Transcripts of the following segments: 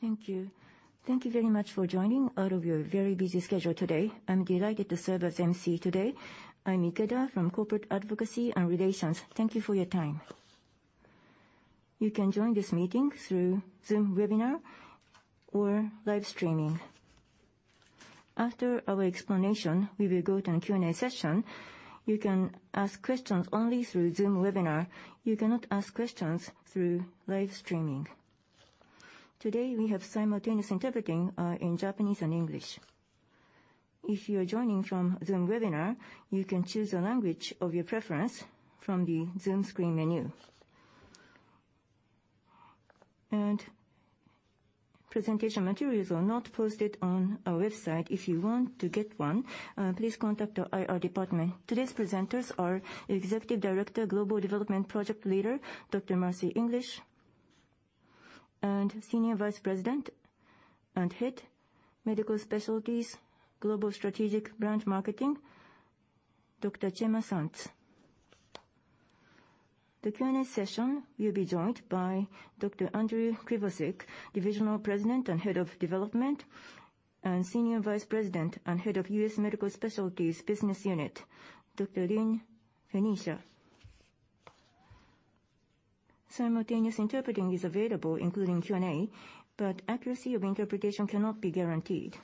Thank you. Thank you very much for joining out of your very busy schedule today. I'm delighted to serve as MC today. I'm Ikeda from Corporate Advocacy and Relations. Thank you for your time. You can join this meeting through Zoom webinar or live streaming. After our explanation, we will go to a Q&A session. You can ask questions only through Zoom webinar. You cannot ask questions through live streaming. Today, we have simultaneous interpreting in Japanese and English. If you are joining from Zoom webinar, you can choose a language of your preference from the Zoom screen menu. Presentation materials are not posted on our website. If you want to get one, please contact our IR department. Today's presenters are Executive Director, Global Development Project Leader, Dr. Marci English, and Senior Vice President and Head of Medical Specialties, Global Strategic Brand Marketing, Dr. Chema Sanz. The Q&A session will be joined by Dr. Andrew Krivoshik, President and Head of Development, and Senior Vice President and Head of U.S. Medical Specialties Business Unit, Dr. Lynn Fenicchia. Simultaneous interpreting is available, including Q&A, but accuracy of interpretation cannot be guaranteed.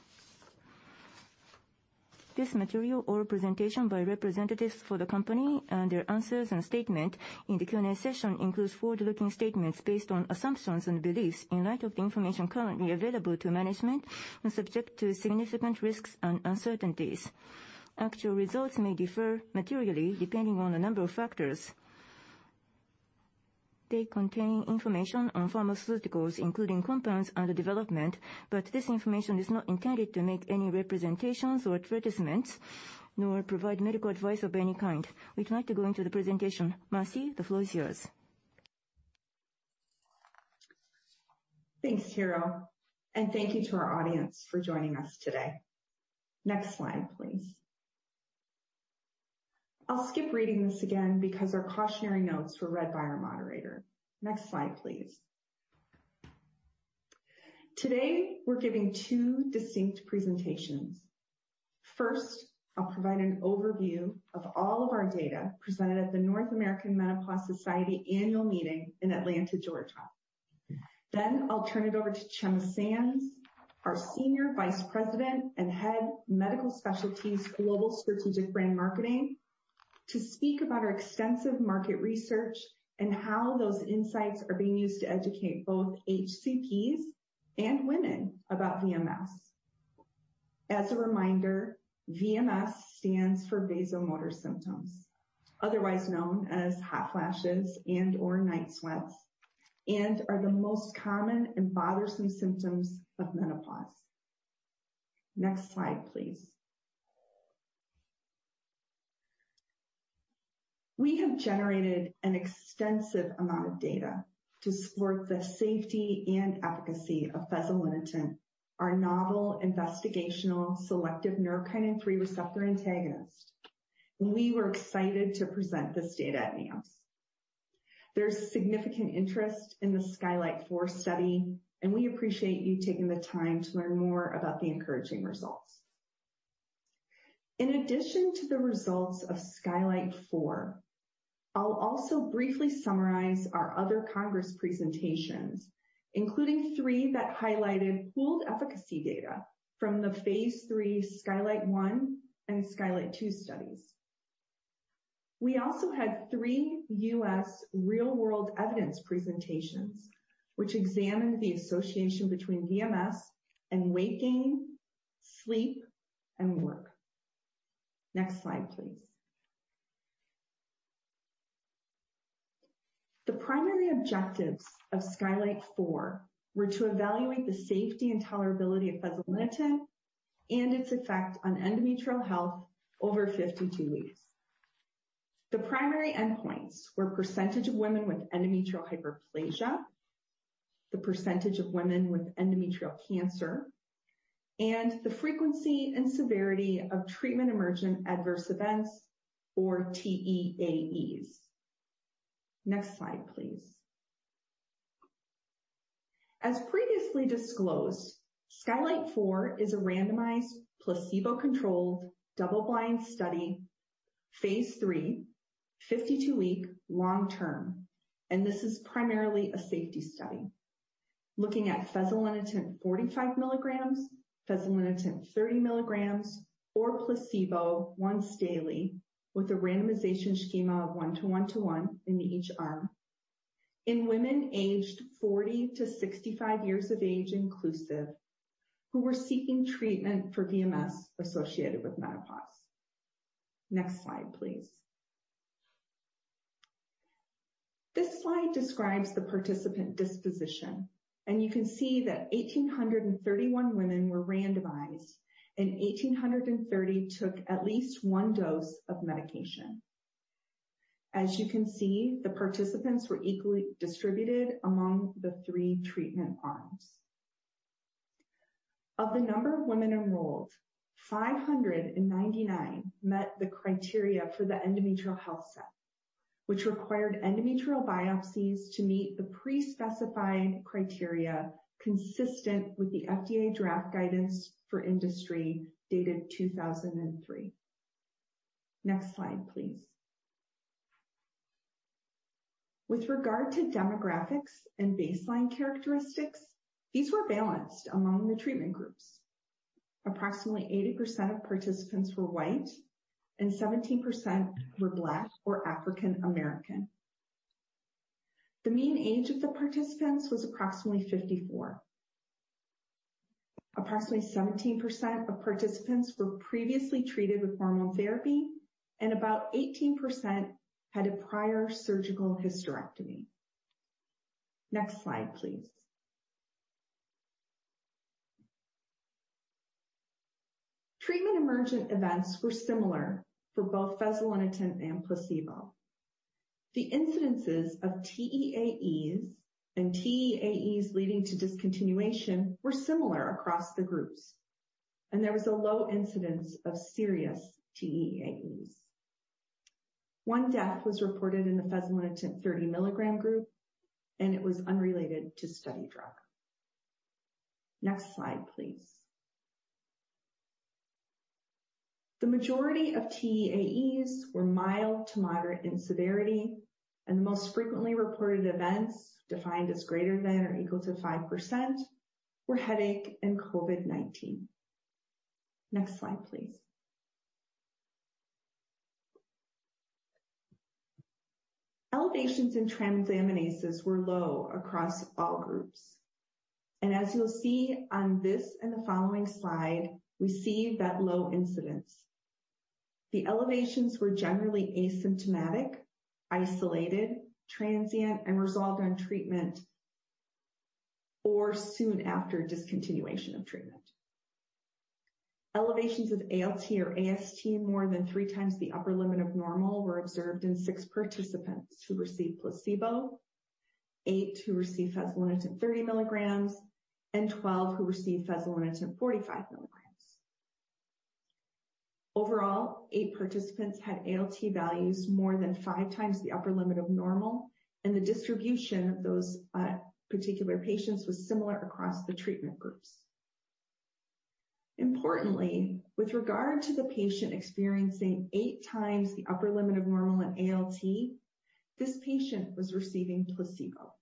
This material or presentation by representatives for the company and their answers and statement in the Q&A session includes forward-looking statements based on assumptions and beliefs in light of the information currently available to management and subject to significant risks and uncertainties. Actual results may differ materially depending on a number of factors. They contain information on pharmaceuticals, including compounds under development, but this information is not intended to make any representations or advertisements, nor provide medical advice of any kind. We'd like to go into the presentation. Marci, the floor is yours. Thanks, Hiro. Thank you to our audience for joining us today. Next slide, please. I'll skip reading this again because our cautionary notes were read by our moderator. Next slide, please. Today, we're giving two distinct presentations. First, I'll provide an overview of all of our data presented at the North American Menopause Society Annual Meeting in Atlanta, Georgia. I'll turn it over to Chema Sanz, our Senior Vice President and Head, Medical Specialties Global Strategic Brand Marketing, to speak about our extensive market research and how those insights are being used to educate both HCPs and women about VMS. As a reminder, VMS stands for vasomotor symptoms, otherwise known as hot flashes and/or night sweats, and are the most common and bothersome symptoms of menopause. Next slide, please. We have generated an extensive amount of data to support the safety and efficacy of fezolinetant, our novel investigational selective neurokinin 3 receptor antagonist. We were excited to present this data at NAMS. There's significant interest in the SKYLIGHT 4 study, and we appreciate you taking the time to learn more about the encouraging results. In addition to the results of SKYLIGHT 4, I'll also briefly summarize our other congress presentations, including three that highlighted pooled efficacy data from the phase III SKYLIGHT 1 and SKYLIGHT 2 studies. We also had three U.S. real-world evidence presentations, which examined the association between VMS and weight gain, sleep, and work. Next slide, please. The primary objectives of SKYLIGHT 4 were to evaluate the safety and tolerability of fezolinetant and its effect on endometrial health over 52-weeks. The primary endpoints were percentage of women with endometrial hyperplasia, the percentage of women with endometrial cancer, and the frequency and severity of treatment-emergent adverse events, or TEAEs. Next slide, please. As previously disclosed, SKYLIGHT 4 is a randomized, placebo-controlled, double-blind study, phase III, 52-week long-term, and this is primarily a safety study. Looking at fezolinetant 45 mg, fezolinetant 30 mg, or placebo once daily with a randomization schema of one to one to one in each arm. In women aged 40-65-years of age inclusive, who were seeking treatment for VMS associated with menopause. Next slide, please. This slide describes the participant disposition, and you can see that 1,831 women were randomized, and 1,830 took at least one dose of medication. As you can see, the participants were equally distributed among the three treatment arms. Of the number of women enrolled, 599 met the criteria for the endometrial health set, which required endometrial biopsies to meet the pre-specified criteria consistent with the FDA draft guidance for industry dated 2003. Next slide, please. With regard to demographics and baseline characteristics, these were balanced among the treatment groups. Approximately 80% of participants were White, and 17% were Black or African American. The mean age of the participants was approximately 54. Approximately 17% of participants were previously treated with hormone therapy, and about 18% had a prior surgical hysterectomy. Next slide, please. Treatment emergent events were similar for both fezolinetant and placebo. The incidences of TEAEs and TEAEs leading to discontinuation were similar across the groups, and there was a low incidence of serious TEAEs. One death was reported in the fezolinetant 30 milligram group, and it was unrelated to study drug. Next slide, please. The majority of TEAEs were mild to moderate in severity, and most frequently reported events defined as greater than or equal to 5% were headache and COVID-19. Next slide, please. Elevations in transaminases were low across all groups. As you'll see on this and the following slide, we see that low incidence. The elevations were generally asymptomatic, isolated, transient, and resolved on treatment or soon after discontinuation of treatment. Elevations of ALT or AST more than three times the upper limit of normal were observed in six participants who received placebo, eight who received fezolinetant 30 milligrams, and twelve who received fezolinetant 45 milligrams. Overall, 8 participants had ALT values more than five times the upper limit of normal, and the distribution of those particular patients was similar across the treatment groups. Importantly, with regard to the patient experiencing eight times the upper limit of normal in ALT, this patient was receiving placebo.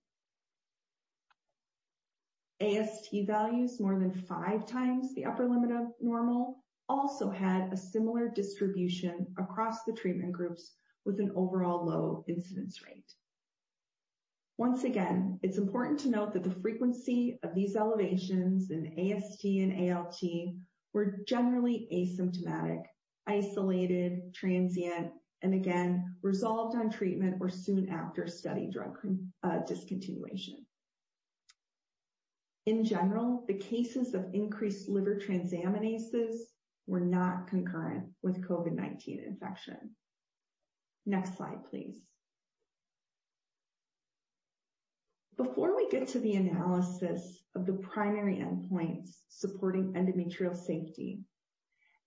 AST values more than five times the upper limit of normal also had a similar distribution across the treatment groups with an overall low incidence rate. Once again, it's important to note that the frequency of these elevations in AST and ALT were generally asymptomatic, isolated, transient, and again resolved on treatment or soon after study drug discontinuation. In general, the cases of increased liver transaminases were not concurrent with COVID-19 infection. Next slide, please. Before we get to the analysis of the primary endpoints supporting endometrial safety,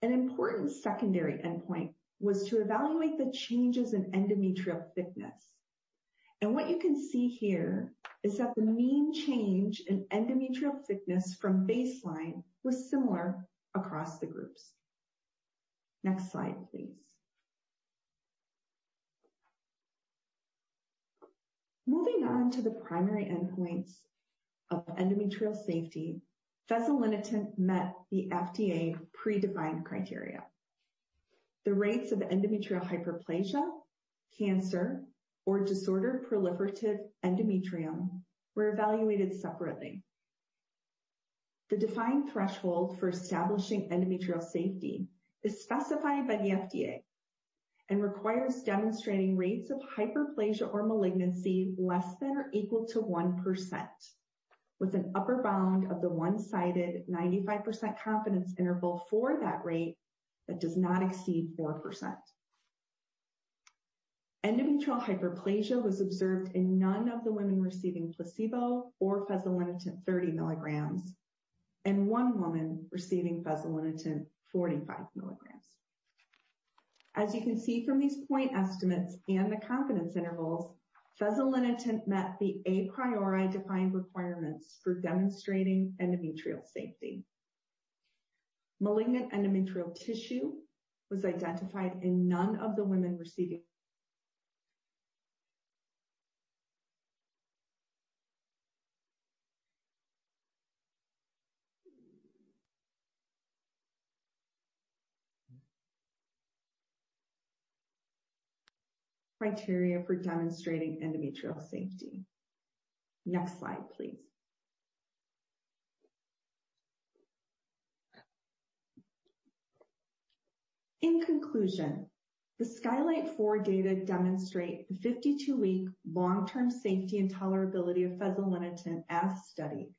an important secondary endpoint was to evaluate the changes in endometrial thickness. What you can see here is that the mean change in endometrial thickness from baseline was similar across the groups. Next slide, please. Moving on to the primary endpoints of endometrial safety, fezolinetant met the FDA predefined criteria. The rates of endometrial hyperplasia, cancer or disordered proliferative endometrium were evaluated separately. The defined threshold for establishing endometrial safety is specified by the FDA and requires demonstrating rates of hyperplasia or malignancy less than or equal to 1%, with an upper bound of the one-sided 95% confidence interval for that rate that does not exceed 4%. Endometrial hyperplasia was observed in none of the women receiving placebo or fezolinetant 30 milligrams and one woman receiving fezolinetant 45 milligrams. As you can see from these point estimates and the confidence intervals, fezolinetant met the a priori defined requirements for demonstrating endometrial safety. Criteria for demonstrating endometrial safety. Next slide, please. In conclusion, the SKYLIGHT 4 data demonstrate the 52-week long-term safety and tolerability of fezolinetant as studied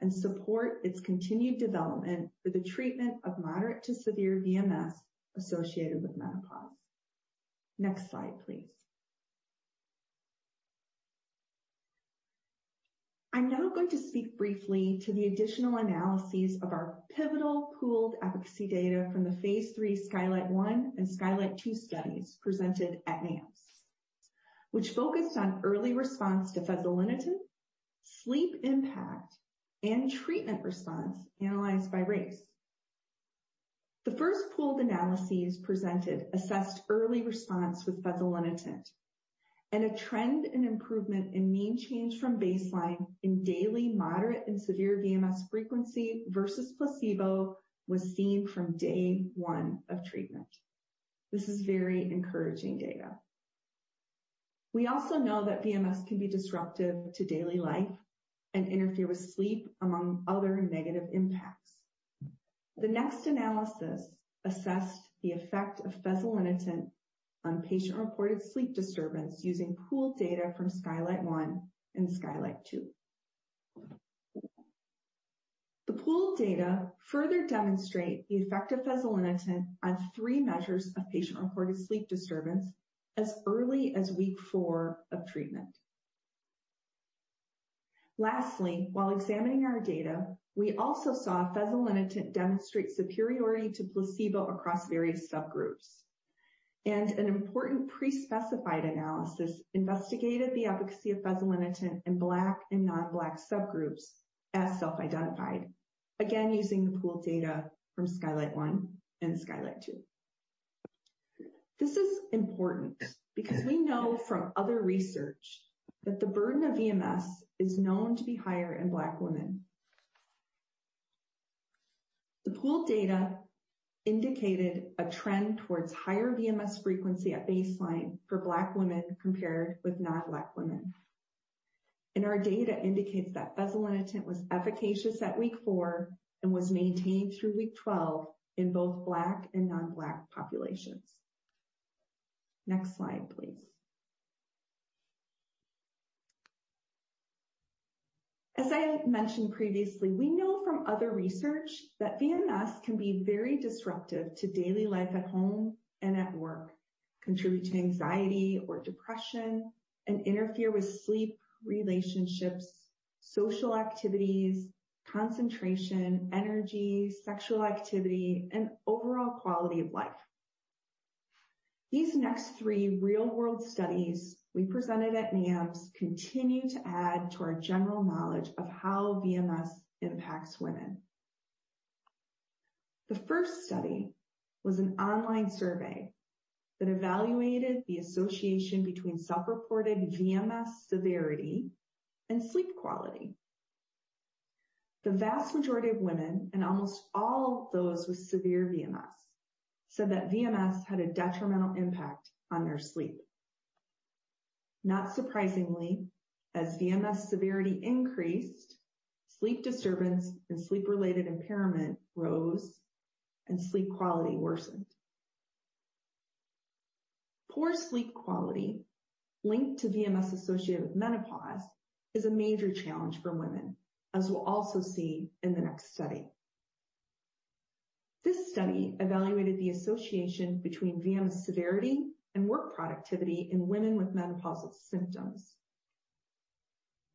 and support its continued development for the treatment of moderate to severe VMS associated with menopause. Next slide, please. I'm now going to speak briefly to the additional analyses of our pivotal pooled efficacy data from the phase III SKYLIGHT 1 and SKYLIGHT 2 studies presented at NAMS, which focused on early response to fezolinetant, sleep impact, and treatment response analyzed by race. The first pooled analyses presented assessed early response with fezolinetant, and a trend in improvement in mean change from baseline in daily moderate and severe VMS frequency versus placebo was seen from day one of treatment. This is very encouraging data. We also know that VMS can be disruptive to daily life and interfere with sleep, among other negative impacts. The next analysis assessed the effect of fezolinetant on patient-reported sleep disturbance using pooled data from SKYLIGHT 1 and SKYLIGHT 2. The pooled data further demonstrate the effect of fezolinetant on three measures of patient-reported sleep disturbance as early as week four of treatment. Lastly, while examining our data, we also saw fezolinetant demonstrate superiority to placebo across various subgroups. An important pre-specified analysis investigated the efficacy of fezolinetant in Black and non-Black subgroups as self-identified, again using the pooled data from SKYLIGHT 1 and SKYLIGHT 2. This is important because we know from other research that the burden of VMS is known to be higher in Black women. The pooled data indicated a trend towards higher VMS frequency at baseline for Black women compared with non-Black women. Our data indicates that fezolinetant was efficacious at week four and was maintained through week-12 in both Black and non-Black populations. Next slide, please. As I mentioned previously, we know from other research that VMS can be very disruptive to daily life at home and at work, contribute to anxiety or depression, and interfere with sleep, relationships, social activities, concentration, energy, sexual activity, and overall quality of life. These next three real-world studies we presented at NAMS continue to add to our general knowledge of how VMS impacts women. The first study was an online survey that evaluated the association between self-reported VMS severity and sleep quality. The vast majority of women, and almost all those with severe VMS, said that VMS had a detrimental impact on their sleep. Not surprisingly, as VMS severity increased, sleep disturbance and sleep-related impairment rose and sleep quality worsened. Poor sleep quality linked to VMS associated with menopause is a major challenge for women, as we'll also see in the next study. This study evaluated the association between VMS severity and work productivity in women with menopausal symptoms.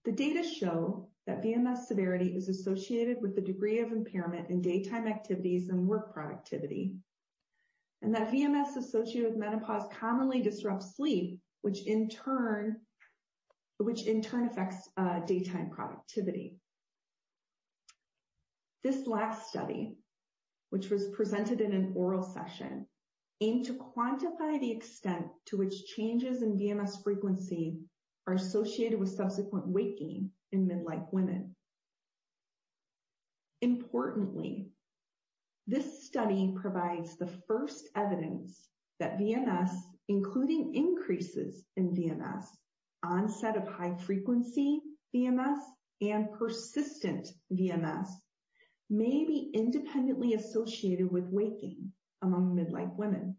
The data show that VMS severity is associated with the degree of impairment in daytime activities and work productivity, and that VMS associated with menopause commonly disrupts sleep, which in turn affects daytime productivity. This last study, which was presented in an oral session, aimed to quantify the extent to which changes in VMS frequency are associated with subsequent weight gain in midlife women. Importantly, this study provides the first evidence that VMS, including increases in VMS, onset of high-frequency VMS, and persistent VMS, may be independently associated with weight gain among midlife women.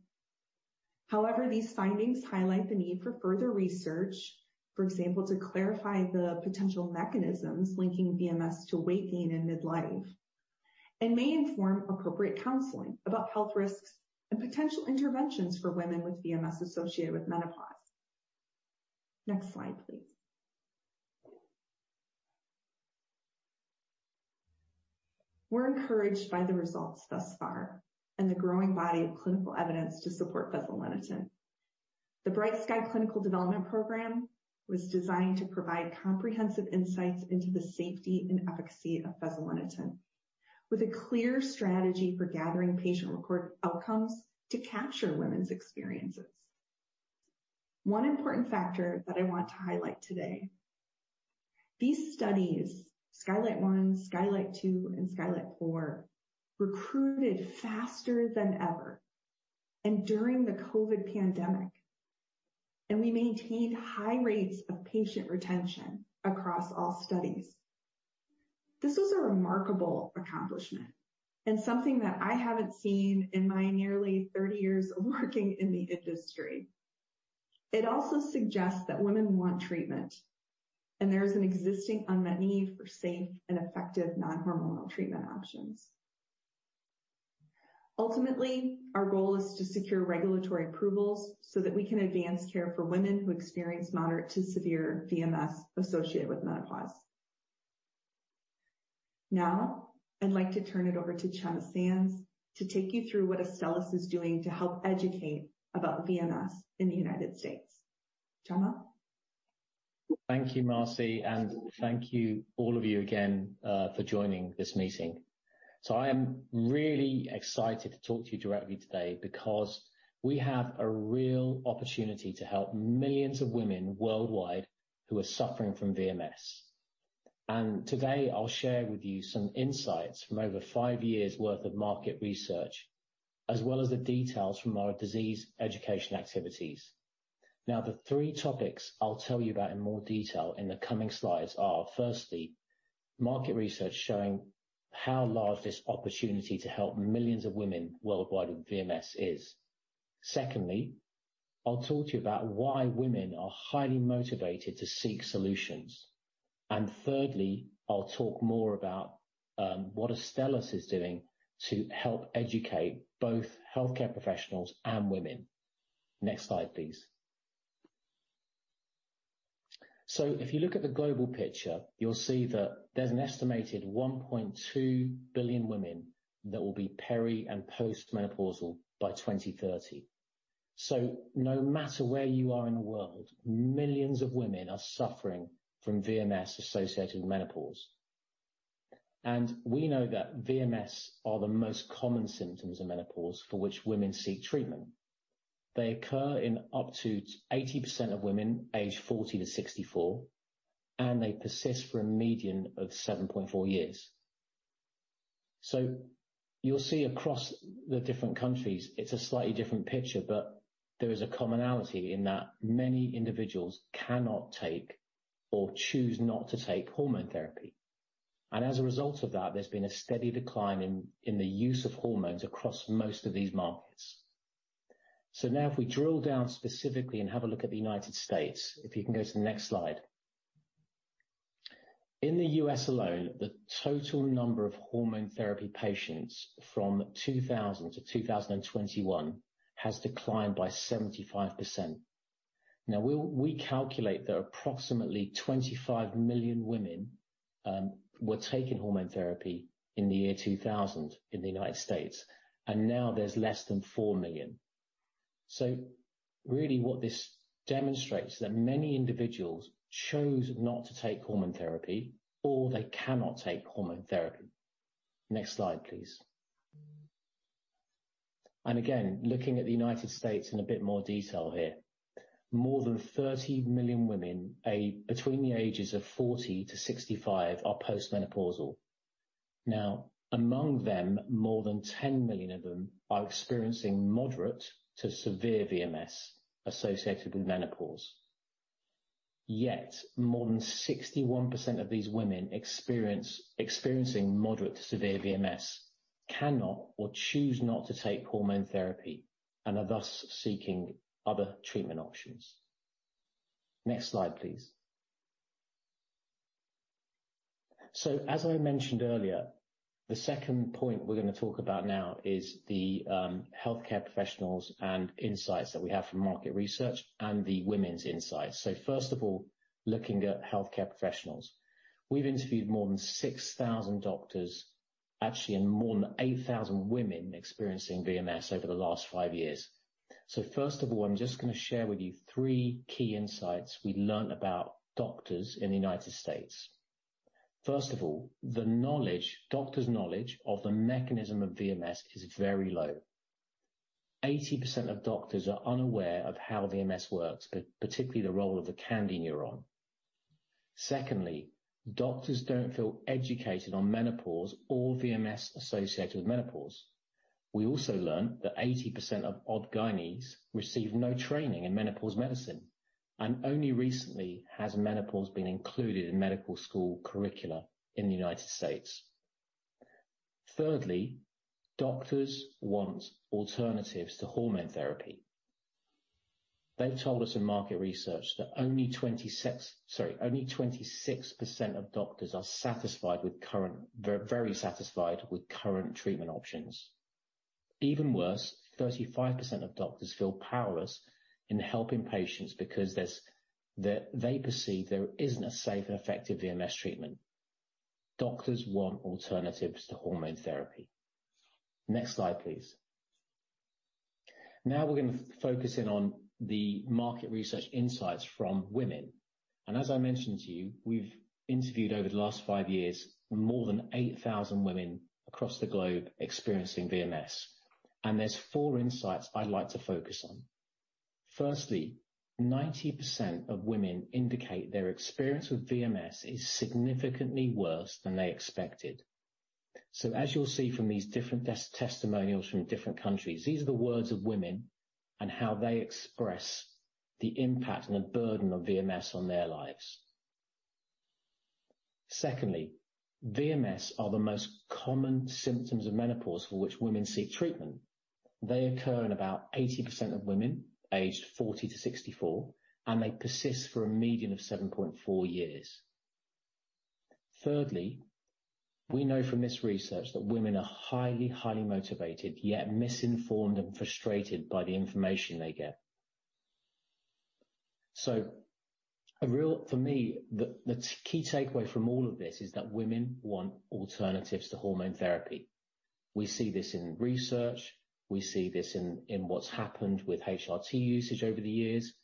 However, these findings highlight the need for further research, for example, to clarify the potential mechanisms linking VMS to weight gain in midlife, and may inform appropriate counseling about health risks and potential interventions for women with VMS associated with menopause. Next slide, please. We're encouraged by the results thus far and the growing body of clinical evidence to support fezolinetant. The BRIGHT SKY clinical development program was designed to provide comprehensive insights into the safety and efficacy of fezolinetant, with a clear strategy for gathering patient-reported outcomes to capture women's experiences. One important factor that I want to highlight today, these studies, SKYLIGHT 1, SKYLIGHT 2, and SKYLIGHT 4, recruited faster than ever and during the COVID pandemic, and we maintained high rates of patient retention across all studies. This was a remarkable accomplishment and something that I haven't seen in my nearly 30-years of working in the industry. It also suggests that women want treatment, and there is an existing unmet need for safe and effective non-hormonal treatment options. Ultimately, our goal is to secure regulatory approvals so that we can advance care for women who experience moderate to severe VMS associated with menopause. Now, I'd like to turn it over to Txema Sanz to take you through what Astellas is doing to help educate about VMS in the United States. Txema. Thank you, Marcy, and thank you, all of you again, for joining this meeting. I am really excited to talk to you directly today because we have a real opportunity to help millions of women worldwide who are suffering from VMS. Today, I'll share with you some insights from over five years worth of market research, as well as the details from our disease education activities. Now, the three topics I'll tell you about in more detail in the coming slides are, firstly, market research showing how large this opportunity to help millions of women worldwide with VMS is. Secondly, I'll talk to you about why women are highly motivated to seek solutions. Thirdly, I'll talk more about what Astellas is doing to help educate both healthcare professionals and women. Next slide, please. If you look at the global picture, you'll see that there's an estimated 1.2 billion women that will be peri and post-menopausal by 2030. No matter where you are in the world, millions of women are suffering from VMS associated with menopause. We know that VMS are the most common symptoms of menopause for which women seek treatment. They occur in up to eighty percent of women aged 40-64, and they persist for a median of 7.4-years. You'll see across the different countries, it's a slightly different picture, but there is a commonality in that many individuals cannot take or choose not to take hormone therapy. As a result of that, there's been a steady decline in the use of hormones across most of these markets. Now if we drill down specifically and have a look at the United States. If you can go to the next slide. In the U.S. alone, the total number of hormone therapy patients from 2000 to 2021 has declined by 75%. Now we calculate that approximately 25 million women were taking hormone therapy in the year 2000 in the United States, and now there's less than 4 million. Really what this demonstrates is that many individuals chose not to take hormone therapy, or they cannot take hormone therapy. Next slide, please. Again, looking at the United States in a bit more detail here. More than 30 million women between the ages of 40-65 are postmenopausal. Now, among them, more than 10 million of them are experiencing moderate to severe VMS associated with menopause. Yet more than 61% of these women experiencing moderate to severe VMS cannot or choose not to take hormone therapy and are thus seeking other treatment options. Next slide, please. As I mentioned earlier, the second point we're gonna talk about now is the healthcare professionals and insights that we have from market research and the women's insights. First of all, looking at healthcare professionals. We've interviewed more than 6,000 doctors, actually, and more than 8,000 women experiencing VMS over the last five years. First of all, I'm just gonna share with you three key insights we learned about doctors in the United States. Doctors' knowledge of the mechanism of VMS is very low. 80% of doctors are unaware of how VMS works, particularly the role of the KNDy neuron. Secondly, doctors don't feel educated on menopause or VMS associated with menopause. We also learned that 80% of OB-GYNs receive no training in menopause medicine, and only recently has menopause been included in medical school curricula in the United States. Thirdly, doctors want alternatives to hormone therapy. They've told us in market research that only 26% of doctors are very satisfied with current treatment options. Even worse, 35% of doctors feel powerless in helping patients because they perceive there isn't a safe and effective VMS treatment. Doctors want alternatives to hormone therapy. Next slide, please. Now we're gonna focus in on the market research insights from women. As I mentioned to you, we've interviewed over the last five years, more than 8,000 women across the globe experiencing VMS. There's four insights I'd like to focus on. Firstly, 90% of women indicate their experience with VMS is significantly worse than they expected. As you'll see from these different testimonials from different countries, these are the words of women and how they express the impact and the burden of VMS on their lives. Secondly, VMS are the most common symptoms of menopause for which women seek treatment. They occur in about 80% of women aged 40-64, and they persist for a median of 7.4 years. Thirdly, we know from this research that women are highly motivated, yet misinformed and frustrated by the information they get. For me, the key takeaway from all of this is that women want alternatives to hormone therapy. We see this in research. We see this in what's happened with HRT usage over the years.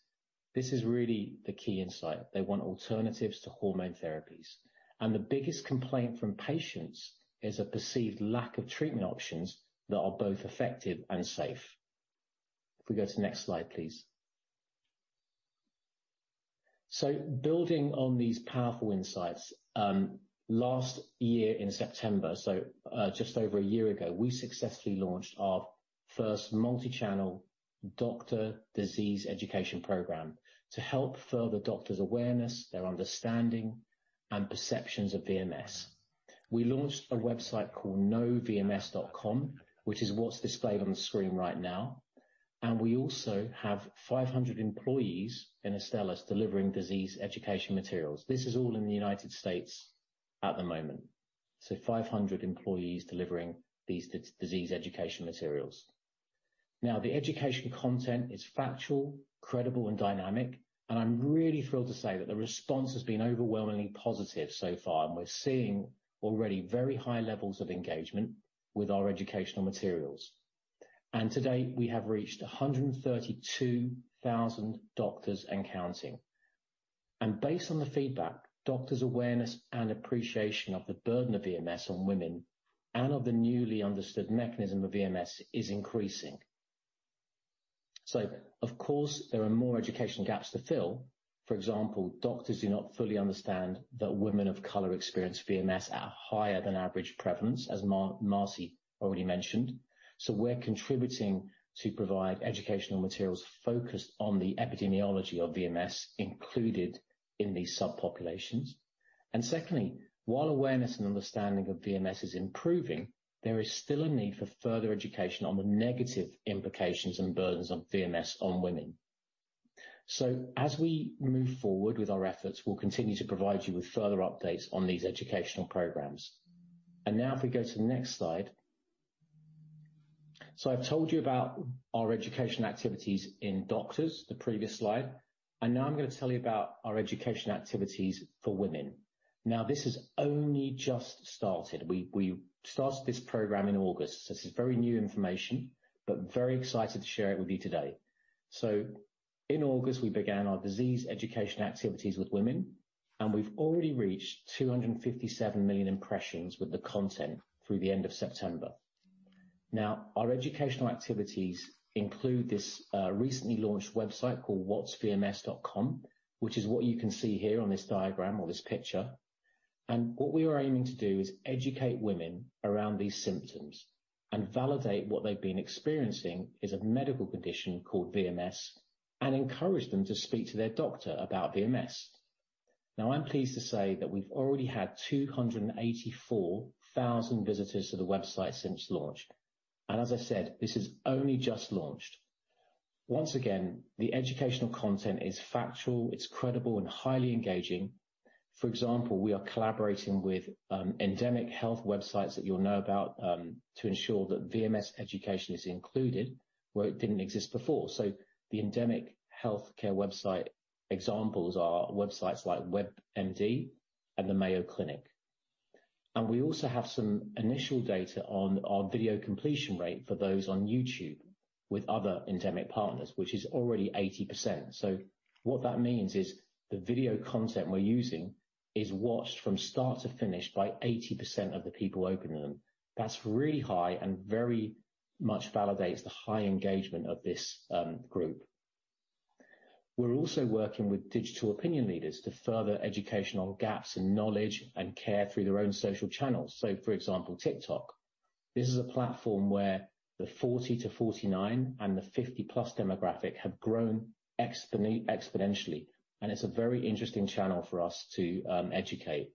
This is really the key insight. They want alternatives to hormone therapies. The biggest complaint from patients is a perceived lack of treatment options that are both effective and safe. If we go to next slide, please. Building on these powerful insights, last year in September, just over a year ago, we successfully launched our first multi-channel doctor disease education program to help further doctors' awareness, their understanding and perceptions of VMS. We launched a website called KnowVMS.com, which is what's displayed on the screen right now. We also have 500 employees in Astellas delivering disease education materials. This is all in the United States at the moment. 500 employees delivering these disease education materials. Now, the education content is factual, credible and dynamic, and I'm really thrilled to say that the response has been overwhelmingly positive so far, and we're seeing already very high levels of engagement with our educational materials. To date, we have reached 132,000 doctors and counting. Based on the feedback, doctors' awareness and appreciation of the burden of VMS on women and of the newly understood mechanism of VMS is increasing. Of course there are more education gaps to fill. For example, doctors do not fully understand that women of color experience VMS at a higher than average prevalence, as Marcy already mentioned. We're contributing to provide educational materials focused on the epidemiology of VMS included in these subpopulations. Secondly, while awareness and understanding of VMS is improving, there is still a need for further education on the negative implications and burdens of VMS on women. As we move forward with our efforts, we'll continue to provide you with further updates on these educational programs. Now if we go to the next slide. I've told you about our education activities in doctors, the previous slide, and now I'm gonna tell you about our education activities for women. Now, this has only just started. We started this program in August. This is very new information, but very excited to share it with you today. In August, we began our disease education activities with women, and we've already reached 257 million impressions with the content through the end of September. Now, our educational activities include this, recently launched website called whatsvms.com, which is what you can see here on this diagram or this picture. What we are aiming to do is educate women around these symptoms and validate what they've been experiencing is a medical condition called VMS and encourage them to speak to their doctor about VMS. Now, I'm pleased to say that we've already had 284,000 visitors to the website since launch. As I said, this has only just launched. Once again, the educational content is factual, it's credible and highly engaging. For example, we are collaborating with endemic health websites that you'll know about to ensure that VMS education is included where it didn't exist before. The endemic healthcare website examples are websites like WebMD and the Mayo Clinic. We also have some initial data on our video completion rate for those on YouTube with other endemic partners, which is already 80%. What that means is the video content we're using is watched from start to finish by 80% of the people opening them. That's really high and very much validates the high engagement of this group. We're also working with digital opinion leaders to further educational gaps in knowledge and care through their own social channels. For example, TikTok. This is a platform where the 40-49 and the 50+ demographic have grown exponentially, and it's a very interesting channel for us to educate.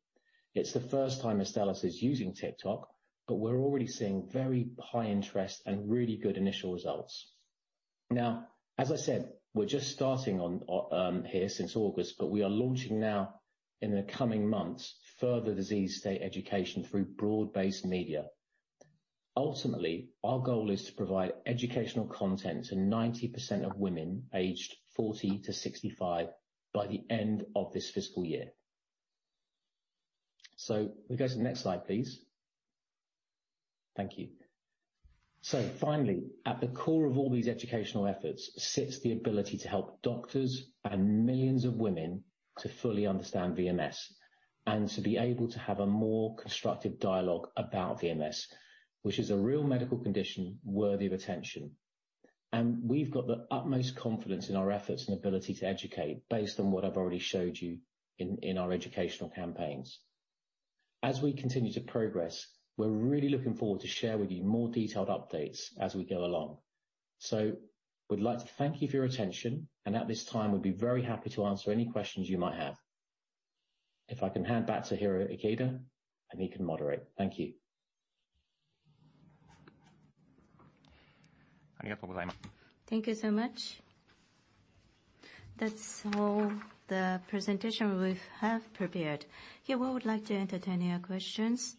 It's the first time Astellas is using TikTok, but we're already seeing very high interest and really good initial results. Now, as I said, we're just starting here since August, but we are launching now in the coming months, further disease state education through broad-based media. Ultimately, our goal is to provide educational content to 90% of women aged 40-65 by the end of this fiscal year. We go to the next slide, please. Thank you. Finally, at the core of all these educational efforts sits the ability to help doctors and millions of women to fully understand VMS and to be able to have a more constructive dialogue about VMS, which is a real medical condition worthy of attention. We've got the utmost confidence in our efforts and ability to educate based on what I've already showed you in our educational campaigns. As we continue to progress, we're really looking forward to share with you more detailed updates as we go along. We'd like to thank you for your attention and at this time, we'd be very happy to answer any questions you might have. If I can hand back to Hiroki Ikeda, and he can moderate. Thank you. Thank you so much. That's all the presentation we have prepared. Here we would like to entertain your questions.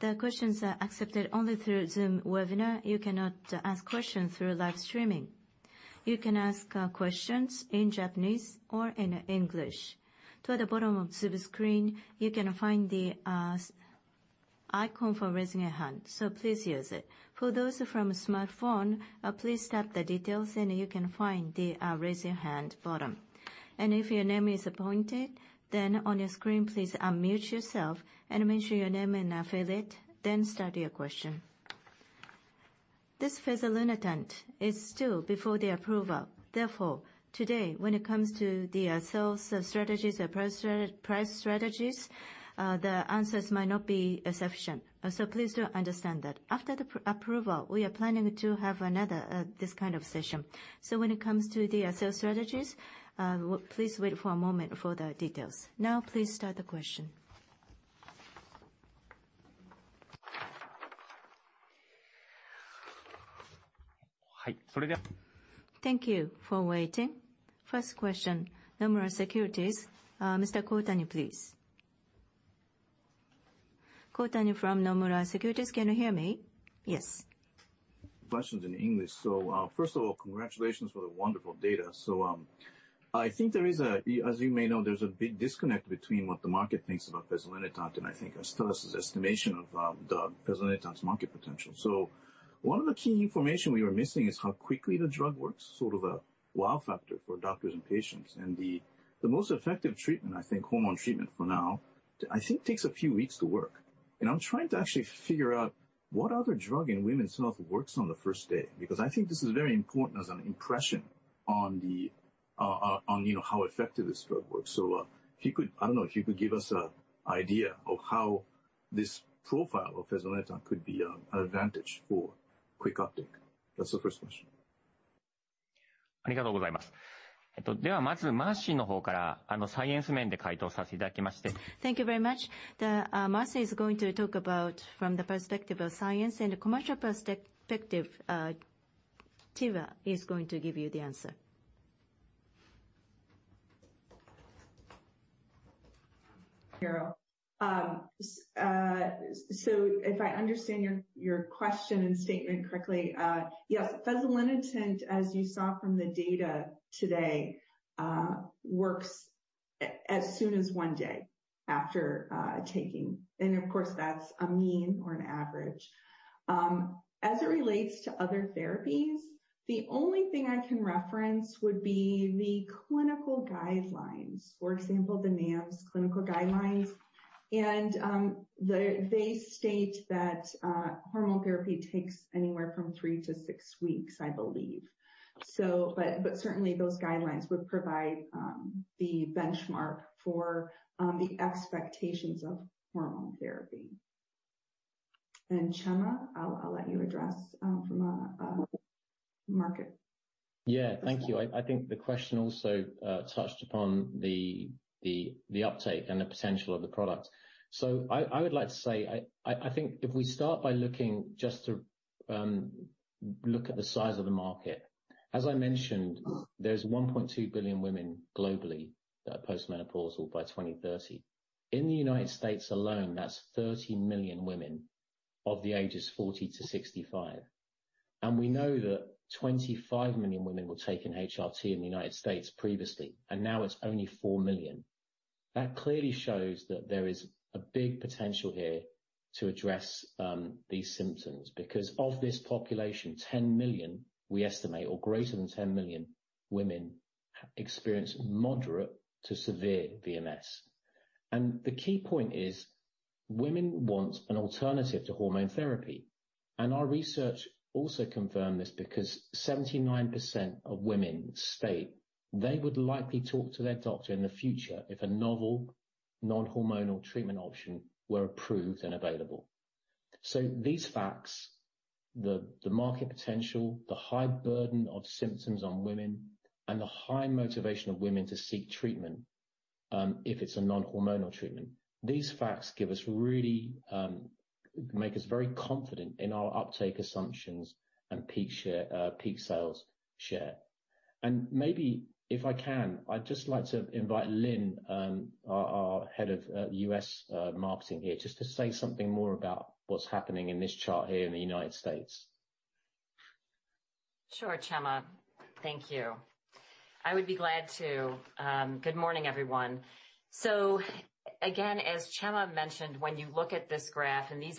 The questions are accepted only through Zoom Webinar. You cannot ask questions through live streaming. You can ask questions in Japanese or in English. Toward the bottom of Zoom screen, you can find the icon for raising a hand, so please use it. For those from smartphone, please tap the details and you can find the raise your hand button. If your name is appointed, then on your screen, please unmute yourself and mention your name and affiliate, then start your question. This fezolinetant is still before the approval. Therefore, today, when it comes to the sales strategies or price strategies, the answers might not be sufficient. Please do understand that. After the post-approval, we are planning to have another, this kind of session. When it comes to the sales strategies, please wait for a moment for the details. Now please start the question. Hi. Thank you for waiting. First question, Nomura Securities, Mr. Kohtani, please. Kohtani from Nomura Securities, can you hear me? Yes. Questions in English. First of all, congratulations for the wonderful data. I think there is, as you may know, a big disconnect between what the market thinks about fezolinetant and I think Astellas' estimation of the fezolinetant's market potential. One of the key information we were missing is how quickly the drug works, sort of a wow factor for doctors and patients. The most effective treatment, I think hormone treatment for now, I think takes a few weeks to work. I'm trying to actually figure out what other drug in women's health works on the first day, because I think this is very important as an impression on, you know, how effective this drug works. If you could, I don't know if you could give us an idea of how this profile of fezolinetant could be an advantage for quick uptick. That's the first question. Thank you very much. Thank you very much. Marcy is going to talk about from the perspective of science and commercial perspective. Txema is going to give you the answer. If I understand your question and statement correctly, yes, fezolinetant, as you saw from the data today, works as soon as one day after taking. Of course, that's a mean or an average. As it relates to other therapies, the only thing I can reference would be the clinical guidelines, for example, the NAMS clinical guidelines. They state that hormone therapy takes anywhere from three to six weeks, I believe. But certainly those guidelines would provide the benchmark for the expectations of hormone therapy. Chema, I'll let you address from a market perspective. Yeah. Thank you. I think the question also touched upon the uptake and the potential of the product. I think if we start by looking just to look at the size of the market. As I mentioned, there's 1.2 billion women globally that are postmenopausal by 2030. In the United States alone, that's 30 million women of the ages 40-65. We know that 25 million women were taking HRT in the United States previously, and now it's only 4 million. That clearly shows that there is a big potential here to address these symptoms because of this population, 10 million we estimate or greater than 10 million women experience moderate to severe VMS. The key point is women want an alternative to hormone therapy. Our research also confirmed this because 79% of women state they would likely talk to their doctor in the future if a novel, non-hormonal treatment option were approved and available. These facts, the market potential, the high burden of symptoms on women and the high motivation of women to seek treatment, if it's a non-hormonal treatment, these facts give us really, make us very confident in our uptake assumptions and peak share, peak sales share. Maybe if I can, I'd just like to invite Lynn, our head of U.S. marketing here, just to say something more about what's happening in this chart here in the United States. Sure, Chema. Thank you. I would be glad to. Good morning, everyone. Again, as Chema mentioned, when you look at this graph, and these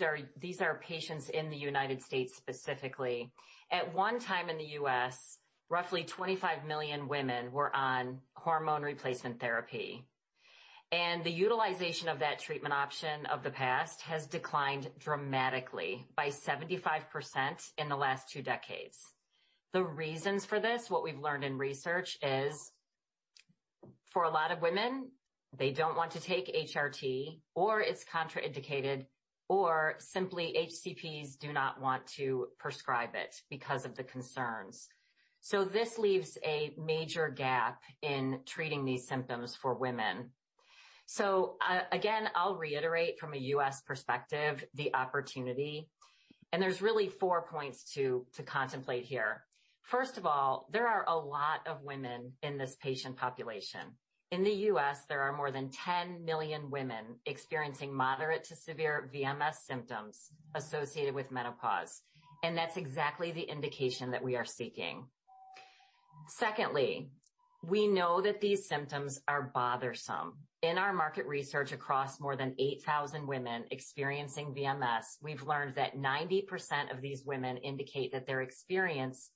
are patients in the United States specifically. At one time in the U.S., roughly 25 million women were on hormone replacement therapy. The utilization of that treatment option of the past has declined dramatically by 75% in the last two decades. The reasons for this, what we've learned in research is for a lot of women, they don't want to take HRT or it's contraindicated or simply HCPs do not want to prescribe it because of the concerns. This leaves a major gap in treating these symptoms for women. Again, I'll reiterate from a U.S. perspective the opportunity, and there's really four points to contemplate here. First of all, there are a lot of women in this patient population. In the U.S., there are more than 10 million women experiencing moderate to severe VMS symptoms associated with menopause, and that's exactly the indication that we are seeking. Secondly, we know that these symptoms are bothersome. In our market research across more than 8,000 women experiencing VMS, we've learned that 90% of these women indicate that their experience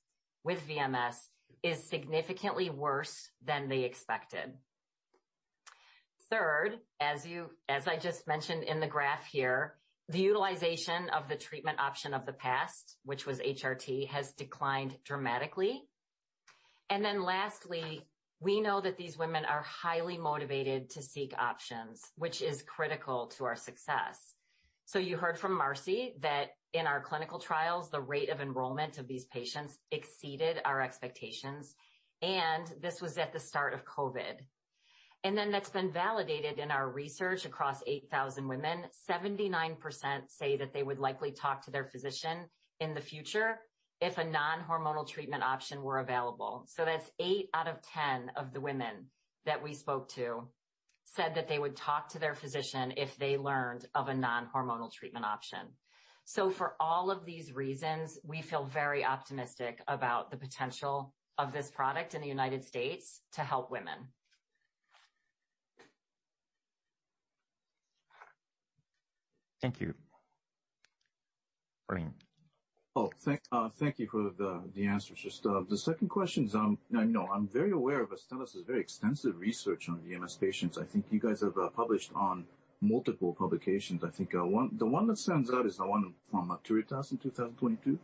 with VMS is significantly worse than they expected. Third, as I just mentioned in the graph here, the utilization of the treatment option of the past, which was HRT, has declined dramatically. Then lastly, we know that these women are highly motivated to seek options, which is critical to our success. you heard from Marci that in our clinical trials, the rate of enrollment of these patients exceeded our expectations, and this was at the start of COVID. that's been validated in our research across 8,000 women. 79% say that they would likely talk to their physician in the future if a non-hormonal treatment option were available. that's eight out of ten of the women that we spoke to said that they would talk to their physician if they learned of a non-hormonal treatment option. for all of these reasons, we feel very optimistic about the potential of this product in the United States to help women. Thank you, Shinichiro Kohtani. Thank you for the answers. Just the second question is, I know I'm very aware of Astellas' very extensive research on VMS patients. I think you guys have published on multiple publications. I think the one that stands out is the one from Maturitas in 2022.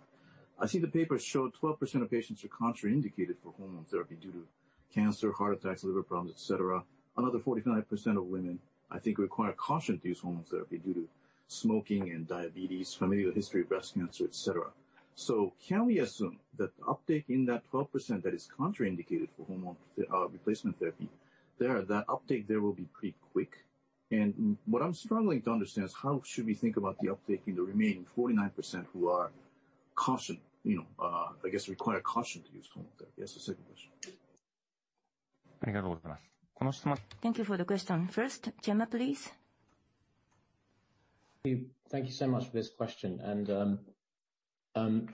I see the papers show 12% of patients are contraindicated for hormone therapy due to cancer, heart attacks, liver problems, etc. Another 49% of women, I think, require caution to use hormone therapy due to smoking and diabetes, family history of breast cancer, etc. Can we assume that the uptick in that 12% that is contraindicated for hormone replacement therapy, that uptick will be pretty quick? What I'm struggling to understand is how should we think about the uptick in the remaining 49% who are cautious, you know, I guess require caution to use hormone therapy? That's the second question. Thank you for the question. First, Chema, please. Thank you so much for this question.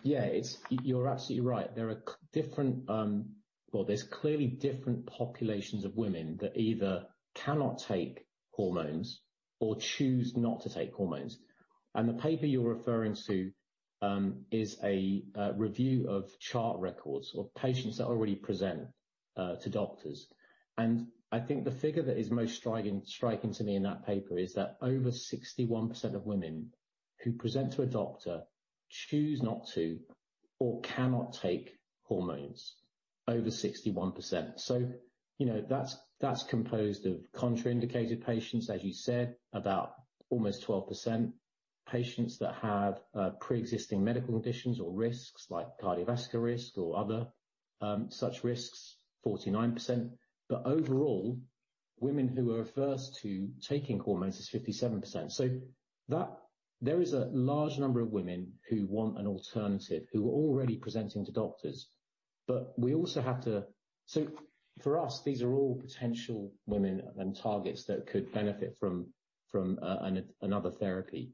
Yeah, you're absolutely right. There are different populations of women that either cannot take hormones or choose not to take hormones. The paper you're referring to is a review of chart records of patients that already present to doctors. I think the figure that is most striking to me in that paper is that over 61% of women who present to a doctor choose not to or cannot take hormones, over 61%. You know, that's composed of contraindicated patients, as you said, about almost 12%, patients that have pre-existing medical conditions or risks like cardiovascular risk or other such risks, 49%. Overall, women who are averse to taking hormones is 57%. There is a large number of women who want an alternative, who are already presenting to doctors. These are all potential women and targets that could benefit from another therapy.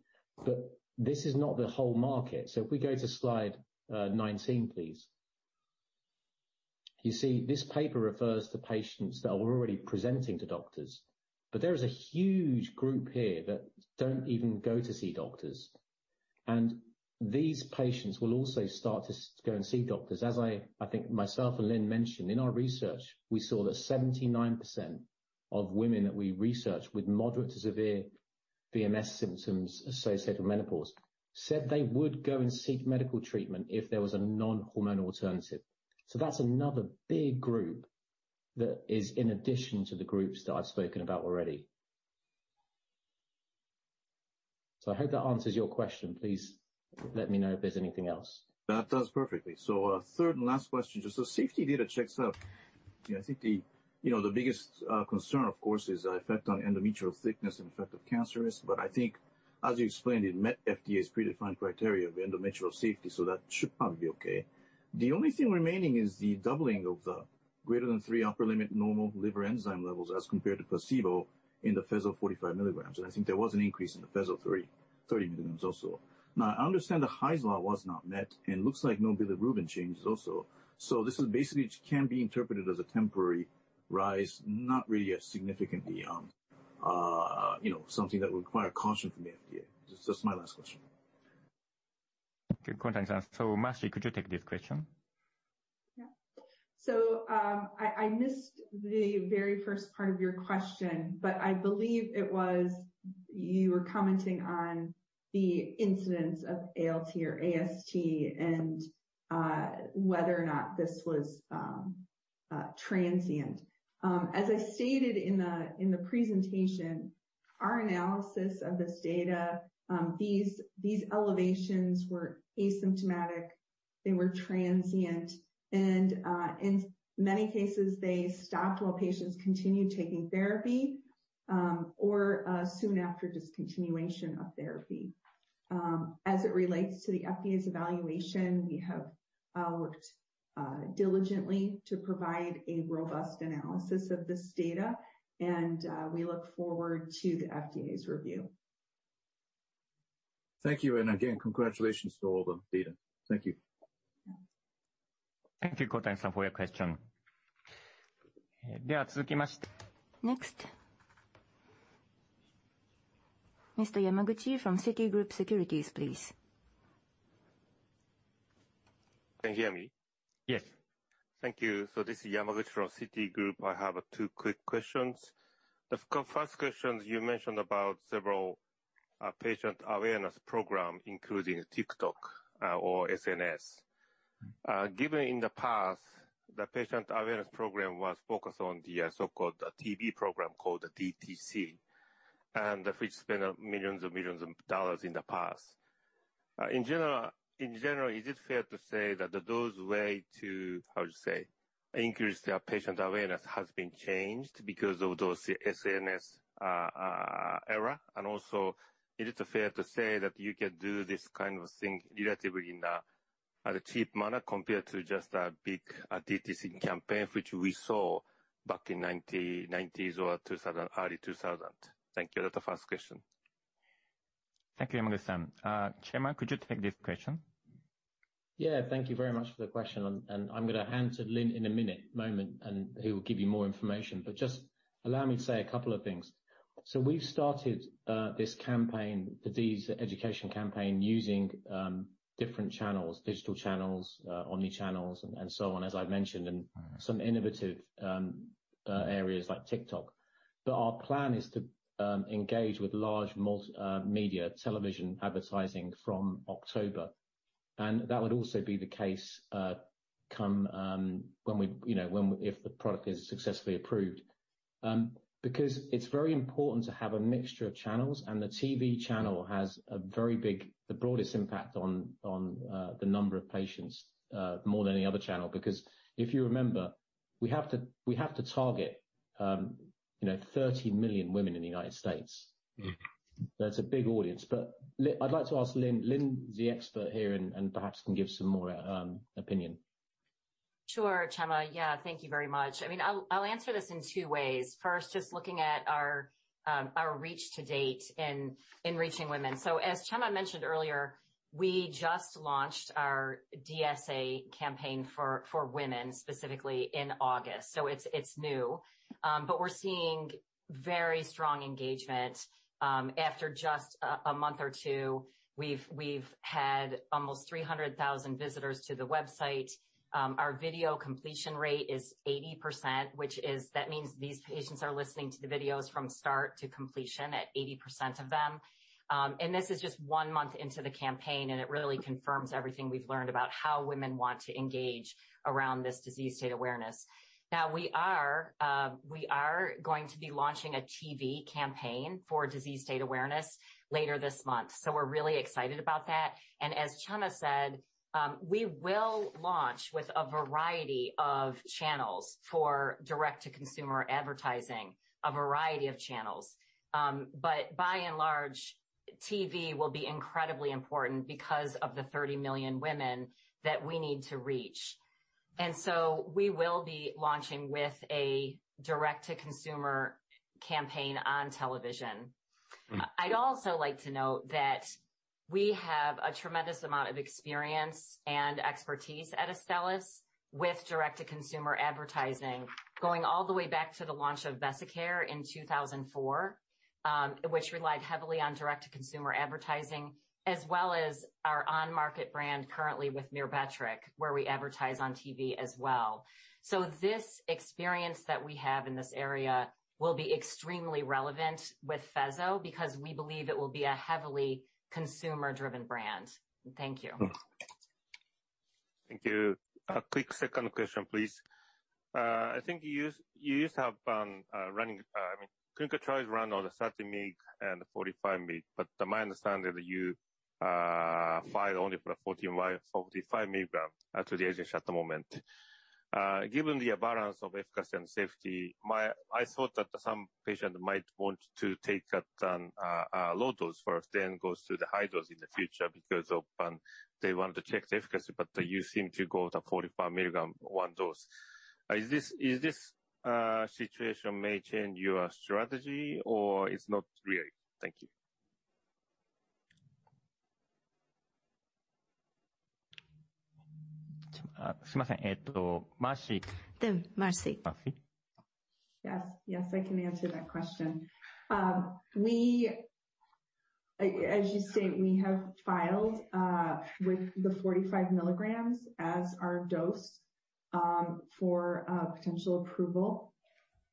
This is not the whole market. If we go to Slide 19, please. You see this paper refers to patients that were already presenting to doctors, but there is a huge group here that don't even go to see doctors, and these patients will also start to go and see doctors. As I think myself and Lynn mentioned in our research, we saw that 79% of women that we researched with moderate to severe VMS symptoms associated with menopause said they would go and seek medical treatment if there was a non-hormonal alternative. That's another big group that is in addition to the groups that I've spoken about already. I hope that answers your question. Please let me know if there's anything else. That does perfectly. Third and last question. Just so safety data checks out, you know, I think the, you know, the biggest concern of course is the effect on endometrial thickness and effect on cancer risk. But I think as you explained, it met FDA's predefined criteria of endometrial safety, so that should probably be okay. The only thing remaining is the doubling of the greater than three times the upper limit of normal liver enzyme levels as compared to placebo in the Fezol 45 milligrams. And I think there was an increase in the Fezol 30 milligrams also. Now I understand the Hy's Law was not met and looks like no bilirubin changes also. This basically can be interpreted as a temporary rise, not really a significant, you know, something that would require caution from the FDA. That's my last question. Okay. Marci, could you take this question? Yeah. I missed the very first part of your question, but I believe it was you were commenting on the incidence of ALT or AST and whether or not this was transient. As I stated in the presentation. Our analysis of this data, these elevations were asymptomatic, they were transient, and in many cases, they stopped while patients continued taking therapy or soon after discontinuation of therapy. As it relates to the FDA's evaluation, we have worked diligently to provide a robust analysis of this data and we look forward to the FDA's review. Thank you. Again, congratulations to all the data. Thank you. Thank you, Kohtani-san, for your question. Next, Mr. Yamaguchi from Citigroup Securities, please. Can you hear me? Yes. Thank you. This is Yamaguchi from Citigroup. I have two quick questions. The first question is you mentioned about several patient awareness programs, including TikTok or SNS. Given in the past, the patient awareness program was focused on the so-called TV program called DTC, and we've spent US dollar millions and millions in the past. In general, is it fair to say that those ways to increase their patient awareness has been changed because of those SNS era? Also, is it fair to say that you can do this kind of thing relatively in a cheap manner compared to just a big DTC campaign, which we saw back in the 1990s or early 2000s? Thank you. That's the first question. Thank you, Yamaguchi-san. Chairman, could you take this question? Yeah. Thank you very much for the question. I'm gonna hand to Lynn in a minute, moment, and who will give you more information. Just allow me to say a couple of things. We've started this campaign, the DSE education campaign, using different channels, digital channels, Omnichannels, and so on, as I've mentioned, and some innovative areas like TikTok. Our plan is to engage with large multimedia television advertising from October. That would also be the case come when we, you know, if the product is successfully approved. Because it's very important to have a mixture of channels and the TV channel has the broadest impact on the number of patients more than any other channel. Because if you remember, we have to target, you know, 30 million women in the United States. Mm-hmm. That's a big audience. I'd like to ask Lynn. Lynn is the expert here and perhaps can give some more opinion. Sure. Txema. Yeah. Thank you very much. I mean, I'll answer this in two ways. First, just looking at our reach to date in reaching women. As Txema mentioned earlier, we just launched our DSE campaign for women specifically in August. It's new, but we're seeing very strong engagement. After just a month or two, we've had almost 300,000 visitors to the website. Our video completion rate is 80%, which means these patients are listening to the videos from start to completion at 80% of them. This is just one month into the campaign, and it really confirms everything we've learned about how women want to engage around this disease state awareness. Now, we are going to be launching a TV campaign for disease state awareness later this month. We're really excited about that. As Txema said, we will launch with a variety of channels for direct-to-consumer advertising. By and large, TV will be incredibly important because of the 30 million women that we need to reach. We will be launching with a direct-to-consumer campaign on television. Mm-hmm. I'd also like to note that we have a tremendous amount of experience and expertise at Astellas with direct-to-consumer advertising going all the way back to the launch of VESIcare in 2004, which relied heavily on direct-to-consumer advertising, as well as our on-market brand currently with Myrbetriq, where we advertise on TV as well. This experience that we have in this area will be extremely relevant with VEOZAH because we believe it will be a heavily consumer-driven brand. Thank you. Thank you. A quick second question, please. I think you used to have clinical trials run on the 30 mg and 45 mg. My understanding that you file only for 45 mg to the agency at the moment. Given the balance of efficacy and safety, I thought that some patient might want to take that low dose first, then goes to the high dose in the future because they want to check the efficacy. You seem to go the 45 milligram one dose. Is this situation may change your strategy or it's not really? Thank you. Marci. Marci. Marci. Yes. Yes, I can answer that question. As you state, we have filed with the 45 milligrams as our dose for potential approval.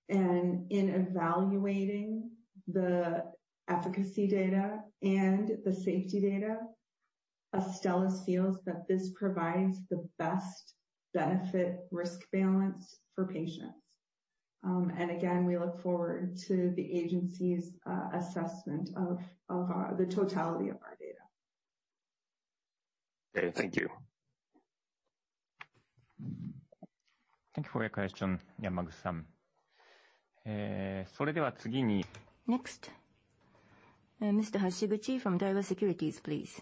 In evaluating the efficacy data and the safety data, Astellas feels that this provides the best benefit-risk balance for patients. We look forward to the agency's assessment of the totality of our data. Okay, thank you. Thank you for your question, Yamaguchi-san. Next, Mr. Hashiguchi from Daiwa Securities, please.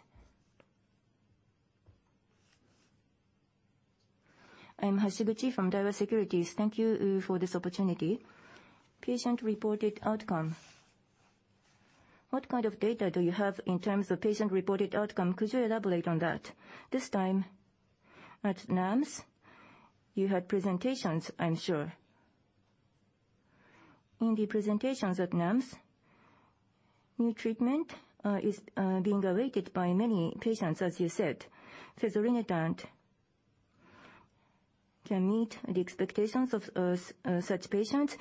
I'm Hashiguchi from Daiwa Securities. Thank you for this opportunity. Patient-reported outcome. What kind of data do you have in terms of patient-reported outcome? Could you elaborate on that? This time at NAMS, you had presentations, I'm sure. In the presentations at NAMS, new treatment is being awaited by many patients, as you said. Fezolinetant can meet the expectations of such patients.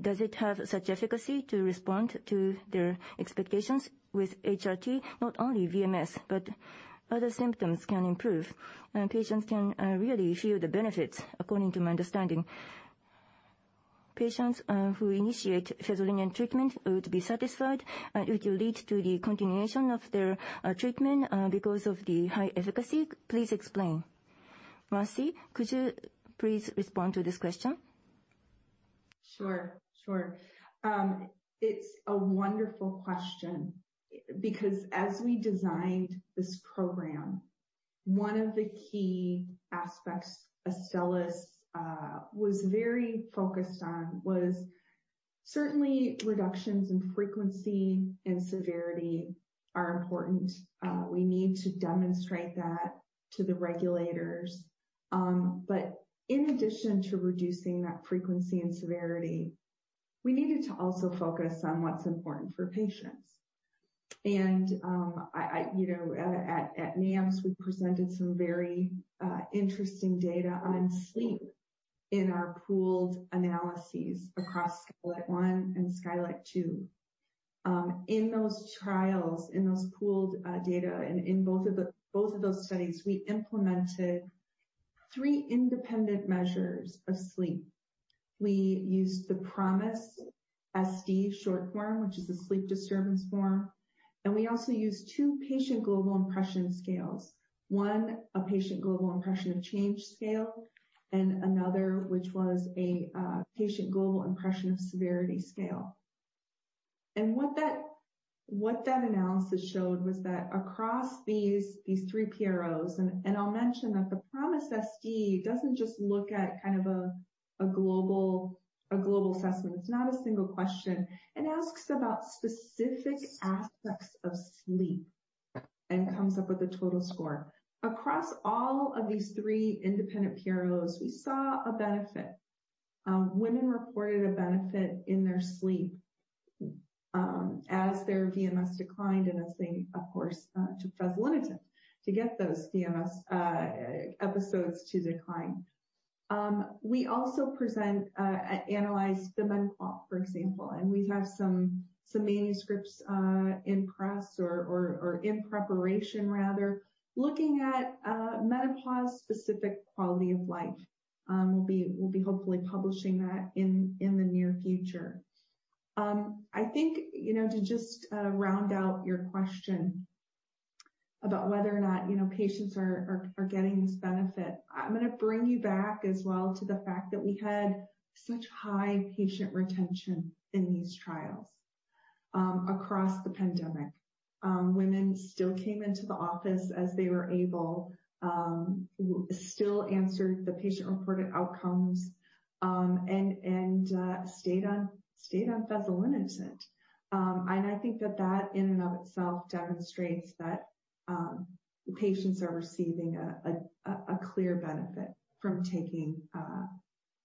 Does it have such efficacy to respond to their expectations with HRT? Not only VMS, but other symptoms can improve, and patients can really feel the benefits according to my understanding. Patients who initiate fezolinetant treatment would be satisfied, it will lead to the continuation of their treatment because of the high efficacy. Please explain. Marcy, could you please respond to this question? It's a wonderful question because as we designed this program, one of the key aspects Astellas was very focused on was certainly reductions in frequency and severity are important. We need to demonstrate that to the regulators. But in addition to reducing that frequency and severity, we needed to also focus on what's important for patients. You know, at NAMS, we presented some very interesting data on sleep in our pooled analyses across SKYLIGHT 1 and SKYLIGHT 2. In those trials, in those pooled data and in both of those studies, we implemented three independent measures of sleep. We used the PROMIS-SD short form, which is a sleep disturbance form, and we also used two patient global impression scales. One, a Patient Global Impression of Change scale, and another, which was a Patient Global Impression of Severity scale. What that analysis showed was that across these 3 PROs, and I'll mention that the PROMIS-SD doesn't just look at kind of a global assessment. It's not a single question. It asks about specific aspects of sleep and comes up with a total score. Across all of these three independent PROs, we saw a benefit. Women reported a benefit in their sleep as their VMS declined, and that's saying, of course, to fezolinetant to get those VMS episodes to decline. We also analyzed the MenQoL, for example. We have some manuscripts in press or in preparation, rather, looking at menopause-specific quality of life. We'll be hopefully publishing that in the near future. I think, you know, to just round out your question about whether or not, you know, patients are getting this benefit. I'm gonna bring you back as well to the fact that we had such high patient retention in these trials across the pandemic. Women still came into the office as they were able, still answered the patient-reported outcomes, and stayed on fezolinetant. I think that in and of itself demonstrates that patients are receiving a clear benefit from taking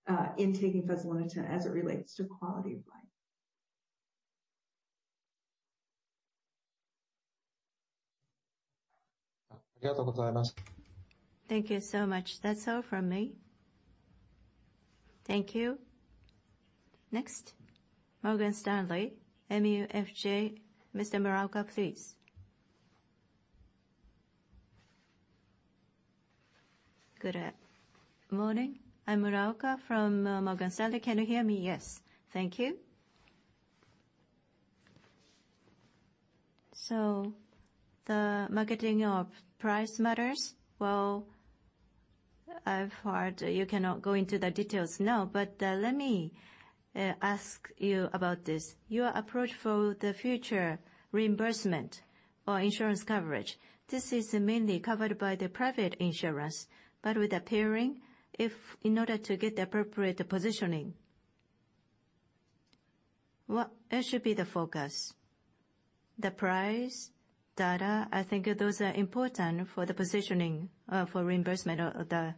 fezolinetant as it relates to quality of life. Thank you very much. Thank you so much. That's all from me. Thank you. Next, Morgan Stanley MUFG Securities. Mr. Muraoka, please. Good morning. I'm Muraoka from Morgan Stanley. Can you hear me? Yes. Thank you. The market price matters. Well, I've heard you cannot go into the details now, but let me ask you about this. Your approach for the future reimbursement or insurance coverage, this is mainly covered by the private insurance, but with the pricing, if in order to get the appropriate positioning, what should be the focus? The price, data? I think those are important for the positioning for reimbursement of the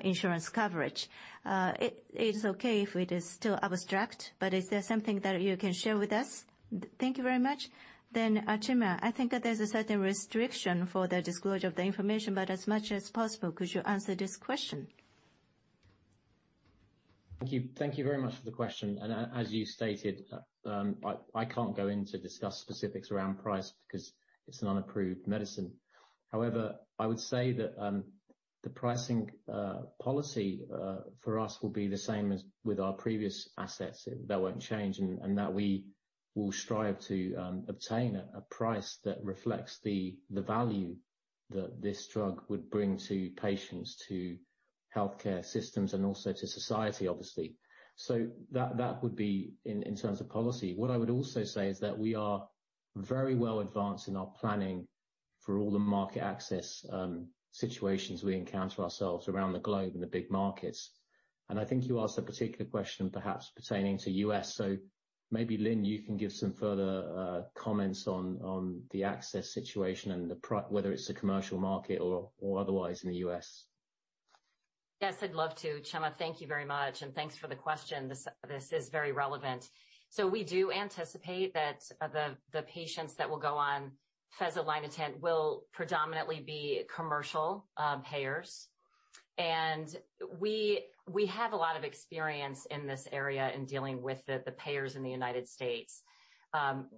insurance coverage. It's okay if it is still abstract, but is there something that you can share with us? Thank you very much. Chema, I think that there's a certain restriction for the disclosure of the information, but as much as possible, could you answer this question? Thank you. Thank you very much for the question. As you stated, I can't go in to discuss specifics around price because it's an unapproved medicine. However, I would say that the pricing policy for us will be the same as with our previous assets. That won't change, and that we will strive to obtain a price that reflects the value that this drug would bring to patients, to healthcare systems and also to society, obviously. That would be in terms of policy. What I would also say is that we are very well-advanced in our planning for all the market access situations we encounter ourselves around the globe in the big markets. I think you asked a particular question perhaps pertaining to U.S., so maybe Lynn, you can give some further comments on the access situation and whether it's the commercial market or otherwise in the U.S. Yes, I'd love to. Chema, thank you very much, and thanks for the question. This is very relevant. We do anticipate that the patients that will go on fezolinetant will predominantly be commercial payers. We have a lot of experience in this area in dealing with the payers in the United States.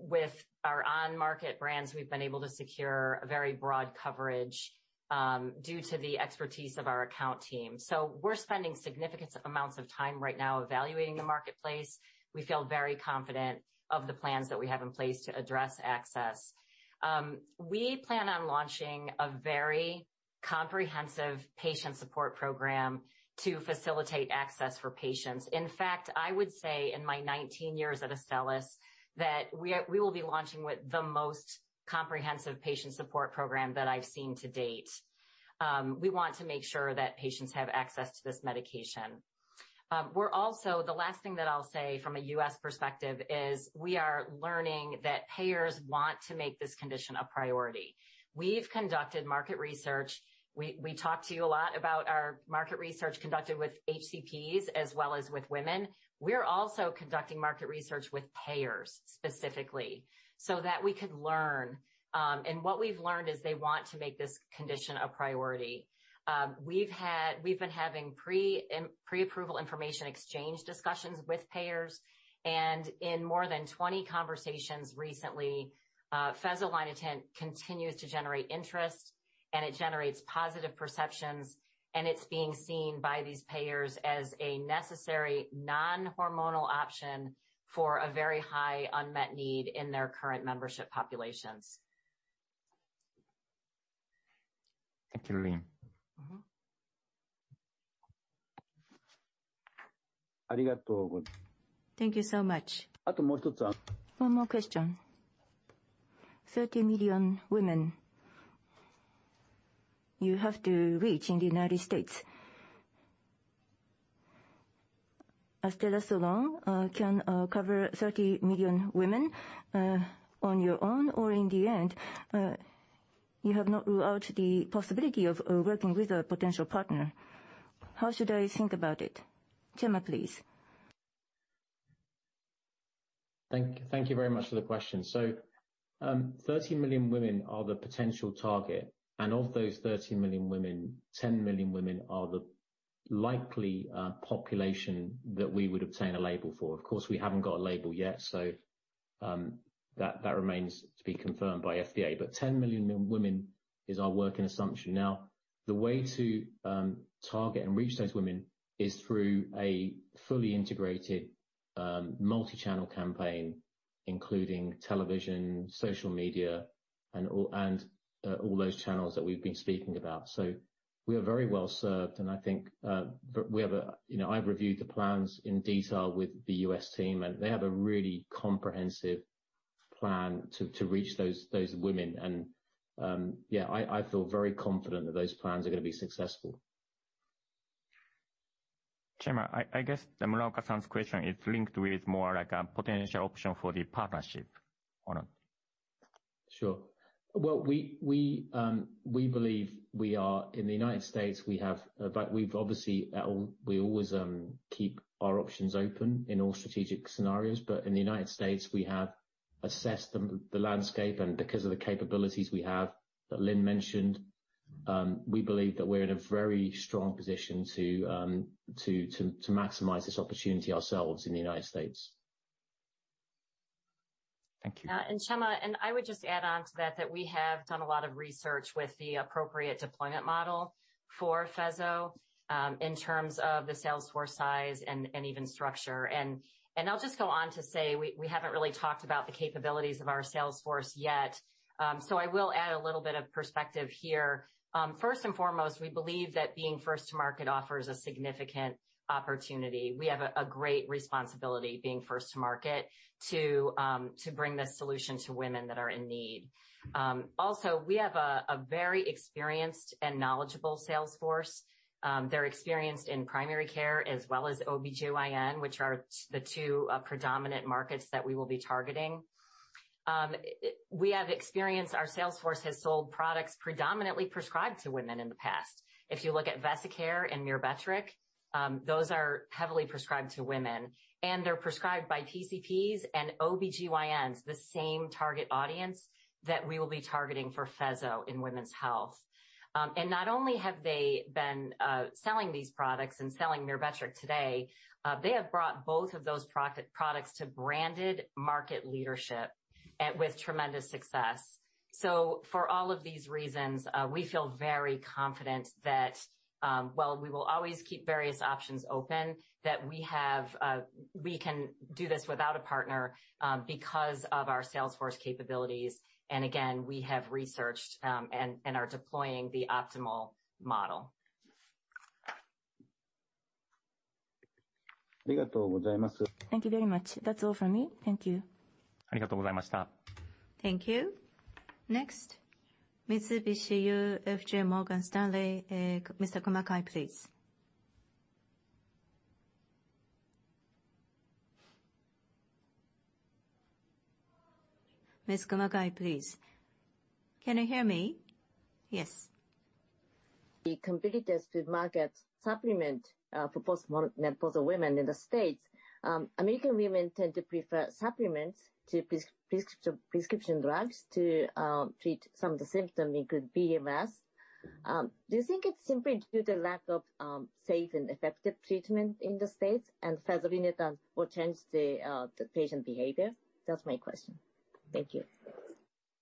With our on-market brands, we've been able to secure a very broad coverage due to the expertise of our account team. We're spending significant amounts of time right now evaluating the marketplace. We feel very confident of the plans that we have in place to address access. We plan on launching a very comprehensive patient support program to facilitate access for patients. In fact, I would say in my 19-years at Astellas that we will be launching with the most comprehensive patient support program that I've seen to date. We want to make sure that patients have access to this medication. We're also the last thing that I'll say from a U.S. perspective is we are learning that payers want to make this condition a priority. We've conducted market research. We talked to you a lot about our market research conducted with HCPs as well as with women. We're also conducting market research with payers specifically so that we could learn, and what we've learned is they want to make this condition a priority. We've been having pre-approval information exchange discussions with payers, and in more than 20 conversations recently, fezolinetant continues to generate interest, and it generates positive perceptions, and it's being seen by these payers as a necessary non-hormonal option for a very high unmet need in their current membership populations. Thank you, Lynn. Mm-hmm. Thank you so much. One more question. 30 million women you have to reach in the United States. Astellas alone can cover 30 million women on your own, or in the end, you have not ruled out the possibility of working with a potential partner. How should I think about it? Chema, please. Thank you very much for the question. Thirty million women are the potential target, and of those 30 million women, 10 million women are the likely population that we would obtain a label for. Of course, we haven't got a label yet, so that remains to be confirmed by FDA. But 10 million women is our working assumption. Now, the way to target and reach those women is through a fully integrated multi-channel campaign, including television, social media, and all those channels that we've been speaking about. We are very well served, and I think we have a. You know, I've reviewed the plans in detail with the U.S. team, and they have a really comprehensive plan to reach those women. Yeah, I feel very confident that those plans are gonna be successful. Chema, I guess Muraoka-san's question is linked with more like a potential option for the partnership or not. Sure. Well, we always keep our options open in all strategic scenarios. In the United States, we have assessed the landscape, and because of the capabilities we have that Lynn mentioned, we believe that we're in a very strong position to maximize this opportunity ourselves in the United States. Thank you. Chima, I would just add on to that we have done a lot of research with the appropriate deployment model for fezo in terms of the sales force size and even structure. I'll just go on to say we haven't really talked about the capabilities of our sales force yet, so I will add a little bit of perspective here. First and foremost, we believe that being first to market offers a significant opportunity. We have a great responsibility being first to market to bring this solution to women that are in need. Also we have a very experienced and knowledgeable sales force. They're experienced in primary care as well as OBGYN, which are the two predominant markets that we will be targeting. We have experience. Our sales force has sold products predominantly prescribed to women in the past. If you look at VESIcare and Myrbetriq. Those are heavily prescribed to women, and they're prescribed by PCPs and OBGYNs, the same target audience that we will be targeting for fezo in women's health. Not only have they been selling these products and selling Myrbetriq today, they have brought both of those products to branded market leadership with tremendous success. For all of these reasons, we feel very confident that, while we will always keep various options open, that we can do this without a partner, because of our sales force capabilities, and again, we have researched and are deploying the optimal model. Thank you very much. That's all for me. Thank you. Thank you. Next, Mitsubishi UFJ Morgan Stanley, Mr. Kumagai, please. Ms. Kumagai, please. Can you hear me? Yes. The competitors to market supplement for post-menopausal women in the States, American women tend to prefer supplements to prescription drugs to treat some of the symptom, including VMS. Do you think it's simply due to lack of safe and effective treatment in the States, and fezolinetant will change the patient behavior? That's my question. Thank you.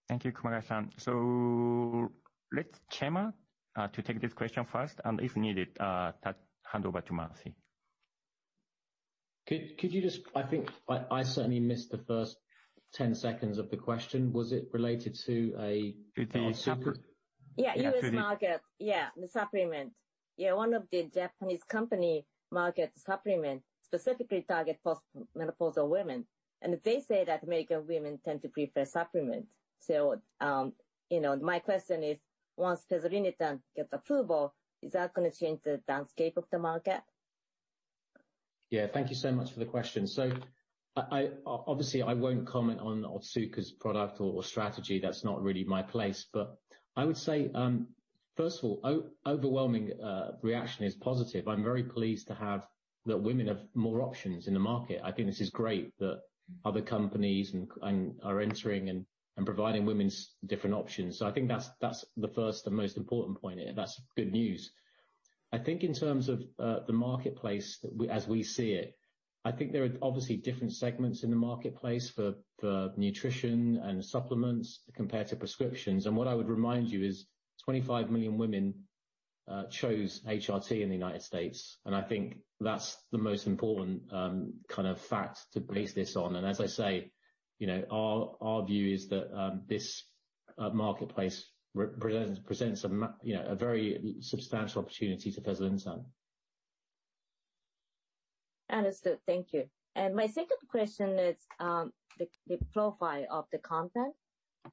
Thank you, Kumagai-san. Let Chema to take this question first, and if needed, hand over to Marci. Could you just? I think I certainly missed the first 10 seconds of the question. Was it related to a-. To super-. Yeah. Yeah, super. U.S. market. Yeah, the supplement. Yeah, one of the Japanese company markets supplement specifically target postmenopausal women, and they say that American women tend to prefer supplements. You know, my question is once fezolinetant gets approval, is that gonna change the landscape of the market? Yeah. Thank you so much for the question. Obviously, I won't comment on Otsuka's product or strategy. That's not really my place. I would say, first of all, overwhelming reaction is positive. I'm very pleased to have that women have more options in the market. I think this is great that other companies and are entering and providing women's different options. I think that's the first and most important point here. That's good news. I think in terms of the marketplace as we see it, there are obviously different segments in the marketplace for nutrition and supplements compared to prescriptions. What I would remind you is 25 million women chose HRT in the United States, and I think that's the most important kind of fact to base this on. As I say, you know, our view is that this marketplace presents you know, a very substantial opportunity to fezolinetant. Understood. Thank you. My second question is, the profile of the compound.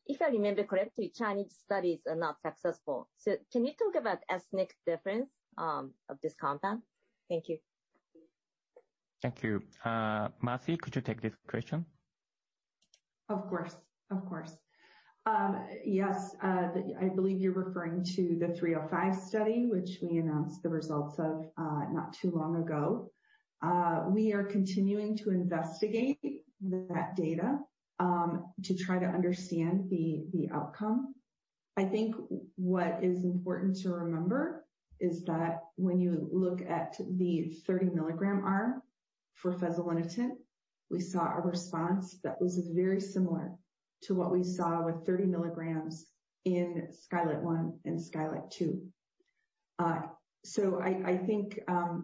If I remember correctly, Chinese studies are not successful. Can you talk about ethnic difference, of this compound? Thank you. Thank you. Marci, could you take this question? Of course. I believe you're referring to the RATIONALE-305 study, which we announced the results of not too long ago. We are continuing to investigate that data to try to understand the outcome. I think what is important to remember is that when you look at the 30 milligram arm for fezolinetant, we saw a response that was very similar to what we saw with 30 milligrams in SKYLIGHT 1 and SKYLIGHT 2. I think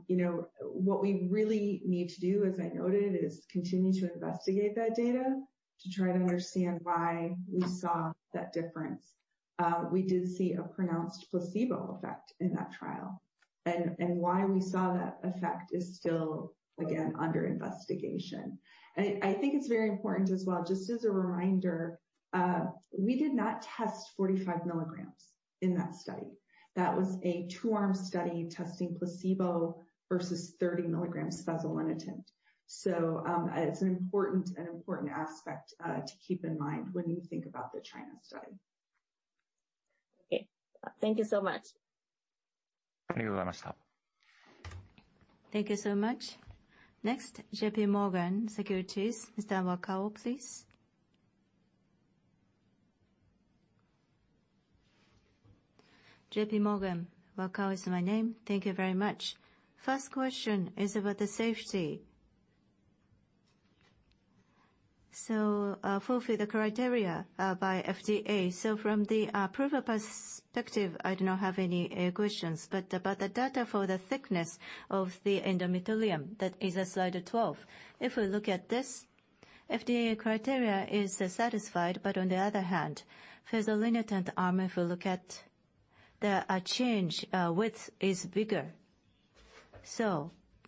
you know what we really need to do, as I noted, is continue to investigate that data to try to understand why we saw that difference. We did see a pronounced placebo effect in that trial. Why we saw that effect is still, again, under investigation. I think it's very important as well, just as a reminder, we did not test 45 milligrams in that study. That was a two arm study testing placebo versus 30 milligrams fezolinetant. It's an important aspect to keep in mind when you think about the China study. Okay. Thank you so much. Thank you very much. Thank you so much. Next, J.P. Morgan Securities, Mr. Wakao, please. J.P. Morgan. Wakao is my name. Thank you very much. First question is about the safety. Fulfill the criteria by FDA. From the approval perspective, I do not have any questions, but the data for the thickness of the endometrium, that is Slide 12. If we look at this, FDA criteria is satisfied, but on the other hand, fezolinetant arm, if we look at the change width is bigger.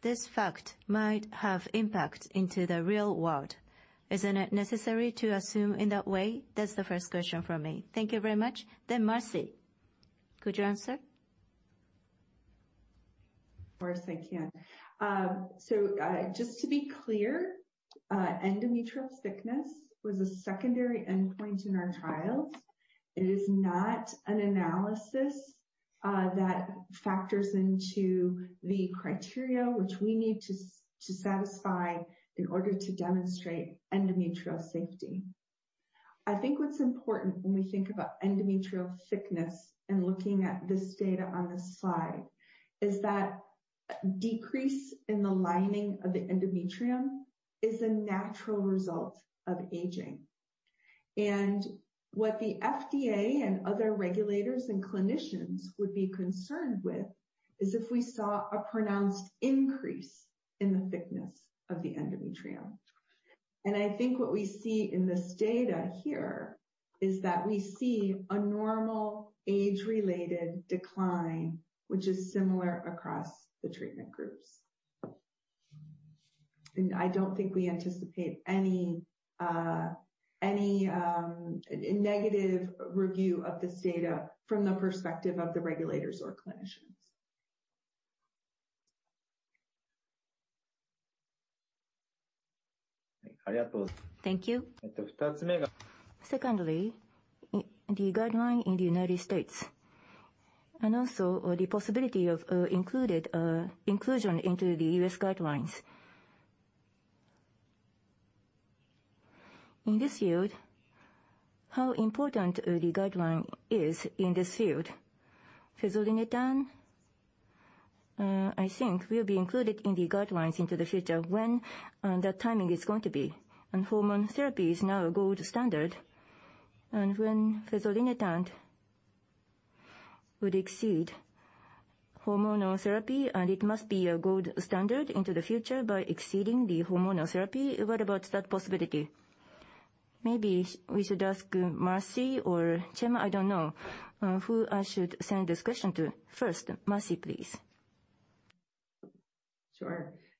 This fact might have impact into the real world. Isn't it necessary to assume in that way? That's the first question from me. Thank you very much. Then Marci, could you answer? Of course, I can. Just to be clear, endometrial thickness was a secondary endpoint in our trials. It is not an analysis that factors into the criteria which we need to satisfy in order to demonstrate endometrial safety. I think what's important when we think about endometrial thickness in looking at this data on this slide is that decrease in the lining of the endometrium is a natural result of aging. What the FDA and other regulators and clinicians would be concerned with is if we saw a pronounced increase in the thickness of the endometrium. I think what we see in this data here is that we see a normal age-related decline, which is similar across the treatment groups. I don't think we anticipate any negative review of this data from the perspective of the regulators or clinicians. Thank you. Secondly, the guideline in the United States and also the possibility of inclusion into the U.S. guidelines. In this field, how important the guideline is in this field? Fezolinetant I think will be included in the guidelines into the future. When that timing is going to be? Hormone therapy is now a gold standard, and when fezolinetant would exceed hormonal therapy, and it must be a gold standard into the future by exceeding the hormonal therapy. What about that possibility? Maybe we should ask Marci or Chema. I don't know who I should send this question to. First, Marci, please.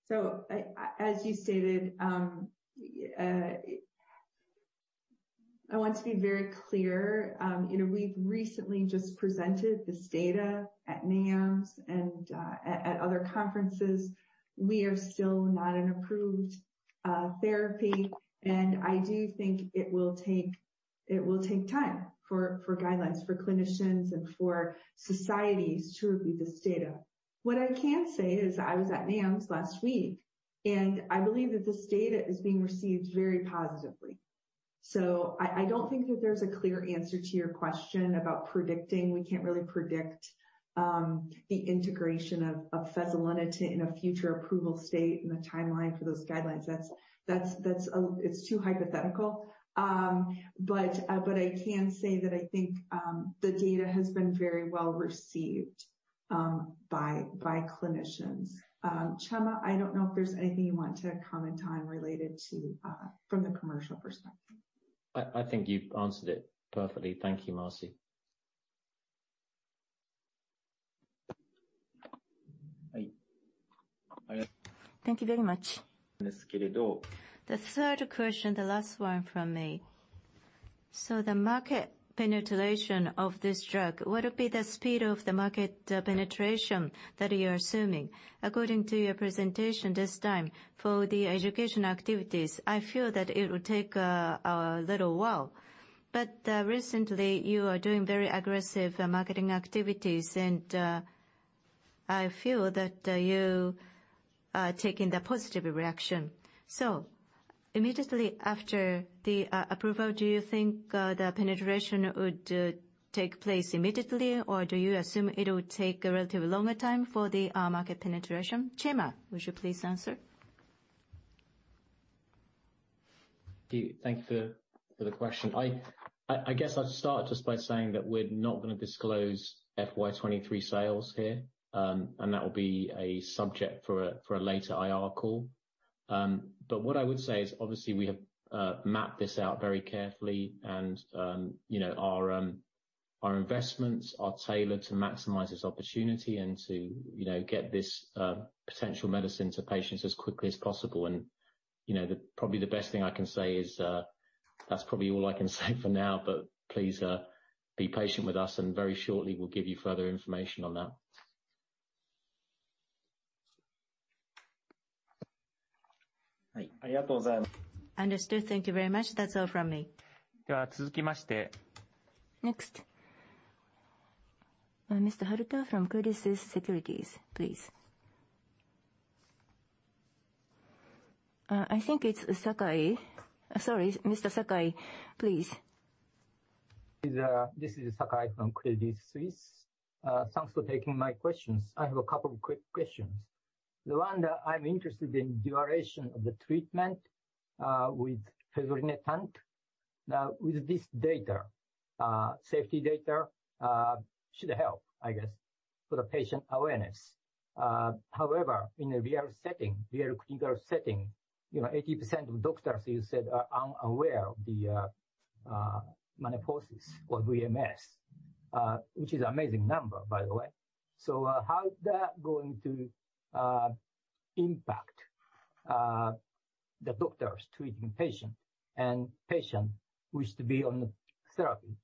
Sure. As you stated, I want to be very clear. You know, we've recently just presented this data at NAMS and at other conferences. We are still not an approved therapy, and I do think it will take time for guidelines, for clinicians and for societies to review this data. What I can say is I was at NAMS last week, and I believe that this data is being received very positively. I don't think that there's a clear answer to your question about predicting. We can't really predict the integration of fezolinetant in a future approval state and the timeline for those guidelines. That's too hypothetical. But I can say that I think the data has been very well received by clinicians. Chema, I don't know if there's anything you want to comment on related to, from the commercial perspective. I think you've answered it perfectly. Thank you, Marci. Thank you very much. The third question, the last one from me. The market penetration of this drug, what would be the speed of the market penetration that you're assuming? According to your presentation this time, for the education activities, I feel that it will take a little while. Recently you are doing very aggressive marketing activities, and I feel that you are taking the positive reaction. Immediately after the approval, do you think the penetration would take place immediately, or do you assume it will take a relatively longer time for the market penetration? Chema, would you please answer? Thank you for the question. I guess I'll start just by saying that we're not gonna disclose FY 2023 sales here. That will be a subject for a later IR call. What I would say is obviously we have mapped this out very carefully and, you know, our investments are tailored to maximize this opportunity and to, you know, get this potential medicine to patients as quickly as possible. You know, probably the best thing I can say is that's probably all I can say for now, but please be patient with us, and very shortly we'll give you further information on that. Understood. Thank you very much. That's all from me. Next, Mr. Haruta from Credit Suisse Securities, please. I think it's Sakai. Sorry, Mr. Sakai, please. This is Sakai from Credit Suisse. Thanks for taking my questions. I have a couple quick questions. The one that I'm interested in duration of the treatment with fezolinetant with this data. Safety data should help, I guess, for the patient awareness. However, in a real setting, real clinical setting, you know, 80% of doctors you said are unaware of the menopause or VMS, which is amazing number, by the way. How is that going to impact the doctors treating patient and patient wish to be on therapy?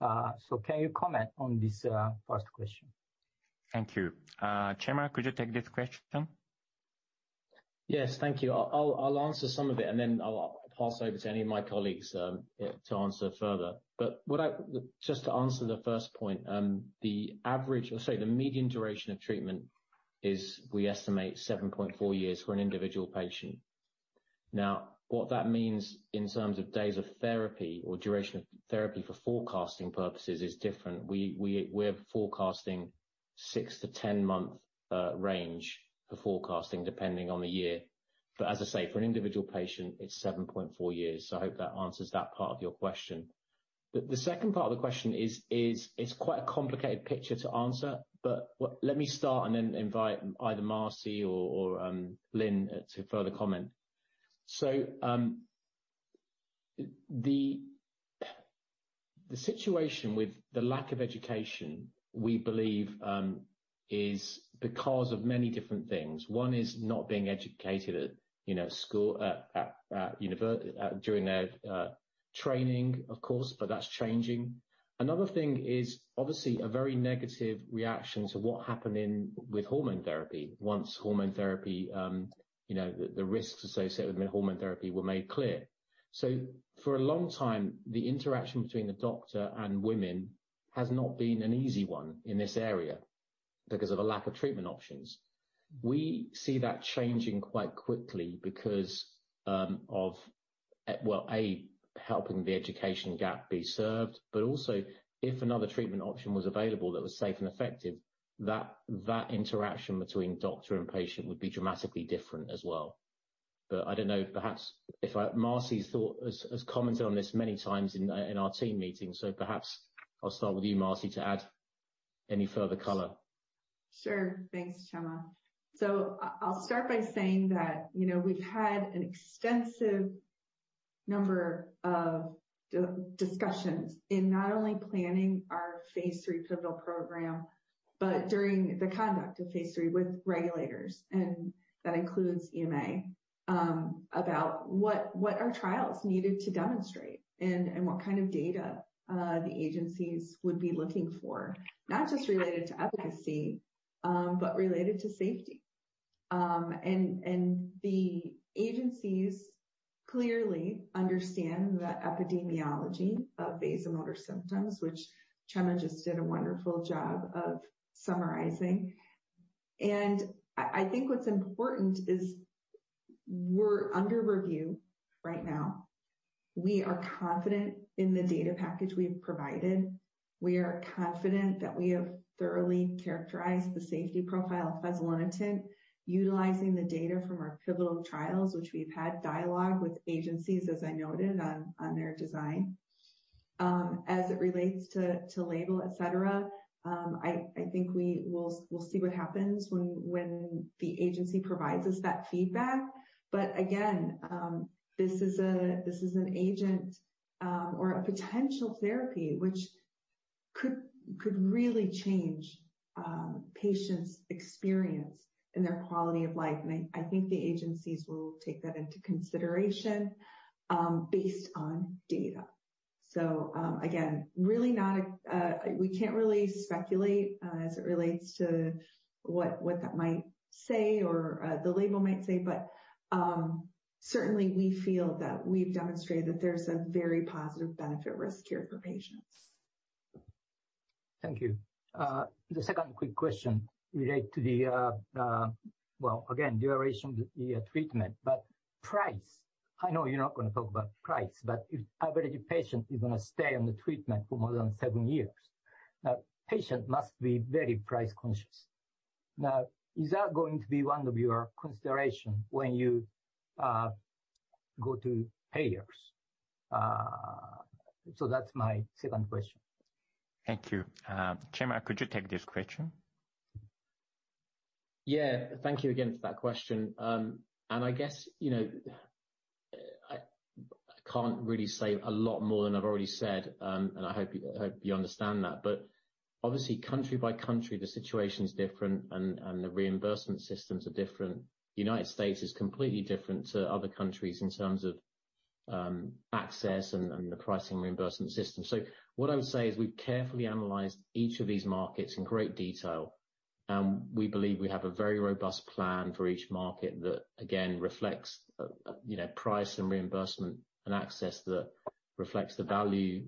Can you comment on this first question? Thank you. Chema, could you take this question? Yes, thank you. I'll answer some of it, and then I'll pass over to any of my colleagues to answer further. Just to answer the first point, the average or, say, the median duration of treatment is, we estimate 7.4-years for an individual patient. Now, what that means in terms of days of therapy or duration of therapy for forecasting purposes is different. We're forecasting six to 10-month range for forecasting, depending on the year. But as I say, for an individual patient, it's 7.4-years. So I hope that answers that part of your question. The second part of the question is, it's quite a complicated picture to answer, but let me start and then invite either Marci or Lynn to further comment. The situation with the lack of education, we believe, is because of many different things. One is not being educated at, you know, school, at university during their training, of course, but that's changing. Another thing is obviously a very negative reaction to what happened in with hormone therapy. Once hormone therapy you know the risks associated with hormone therapy were made clear. For a long time, the interaction between the doctor and women has not been an easy one in this area because of a lack of treatment options. We see that changing quite quickly because of well A helping the education gap be served, but also if another treatment option was available that was safe and effective, that interaction between doctor and patient would be dramatically different as well. I don't know. Perhaps Marcy's thought has commented on this many times in our team meetings, so perhaps I'll start with you, Marcy, to add any further color. Sure. Thanks, Chema. I'll start by saying that, you know, we've had an extensive number of discussions in not only planning our phase three pivotal program, but during the conduct of phase three with regulators, and that includes EMA, about what our trials needed to demonstrate and what kind of data the agencies would be looking for, not just related to efficacy, but related to safety. The agencies clearly understand the epidemiology of vasomotor symptoms, which Chema just did a wonderful job of summarizing. I think what's important is we're under review right now. We are confident in the data package we've provided. We are confident that we have thoroughly characterized the safety profile of fezolinetant, utilizing the data from our pivotal trials, which we've had dialogue with agencies, as I noted, on their design. As it relates to label, et cetera, I think we'll see what happens when the agency provides us that feedback. Again, this is an agent or a potential therapy which could really change patients' experience and their quality of life. I think the agencies will take that into consideration based on data. Again, we can't really speculate as it relates to what that might say or the label might say, but certainly we feel that we've demonstrated that there's a very positive benefit risk here for patients. Thank you. The second quick question relate to the, well, again, duration of the treatment, but price. I know you're not gonna talk about price, but if every patient is gonna stay on the treatment for more than seven years, that patient must be very price conscious. Now, is that going to be one of your consideration when you go to payers? That's my second question. Thank you. Chema, could you take this question? Yeah. Thank you again for that question. I guess, you know, I can't really say a lot more than I've already said, and I hope you understand that. Obviously, country by country, the situation is different and the reimbursement systems are different. United States is completely different to other countries in terms of access and the pricing reimbursement system. What I would say is we've carefully analyzed each of these markets in great detail, and we believe we have a very robust plan for each market that again reflects, you know, price and reimbursement and access that reflects the value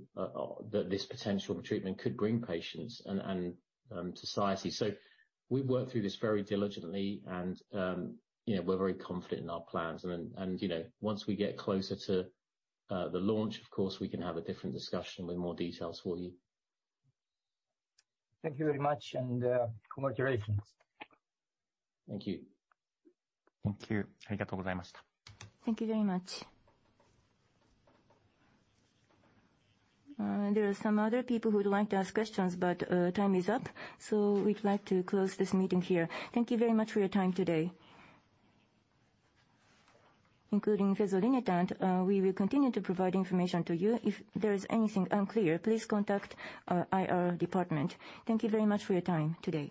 that this potential treatment could bring patients and society. We've worked through this very diligently and, you know, we're very confident in our plans. You know, once we get closer to the launch, of course, we can have a different discussion with more details for you. Thank you very much, and congratulations. Thank you. Thank you. Thank you very much. There are some other people who would like to ask questions, but time is up, so we'd like to close this meeting here. Thank you very much for your time today. Including fezolinetant, we will continue to provide information to you. If there is anything unclear, please contact our IR department. Thank you very much for your time today.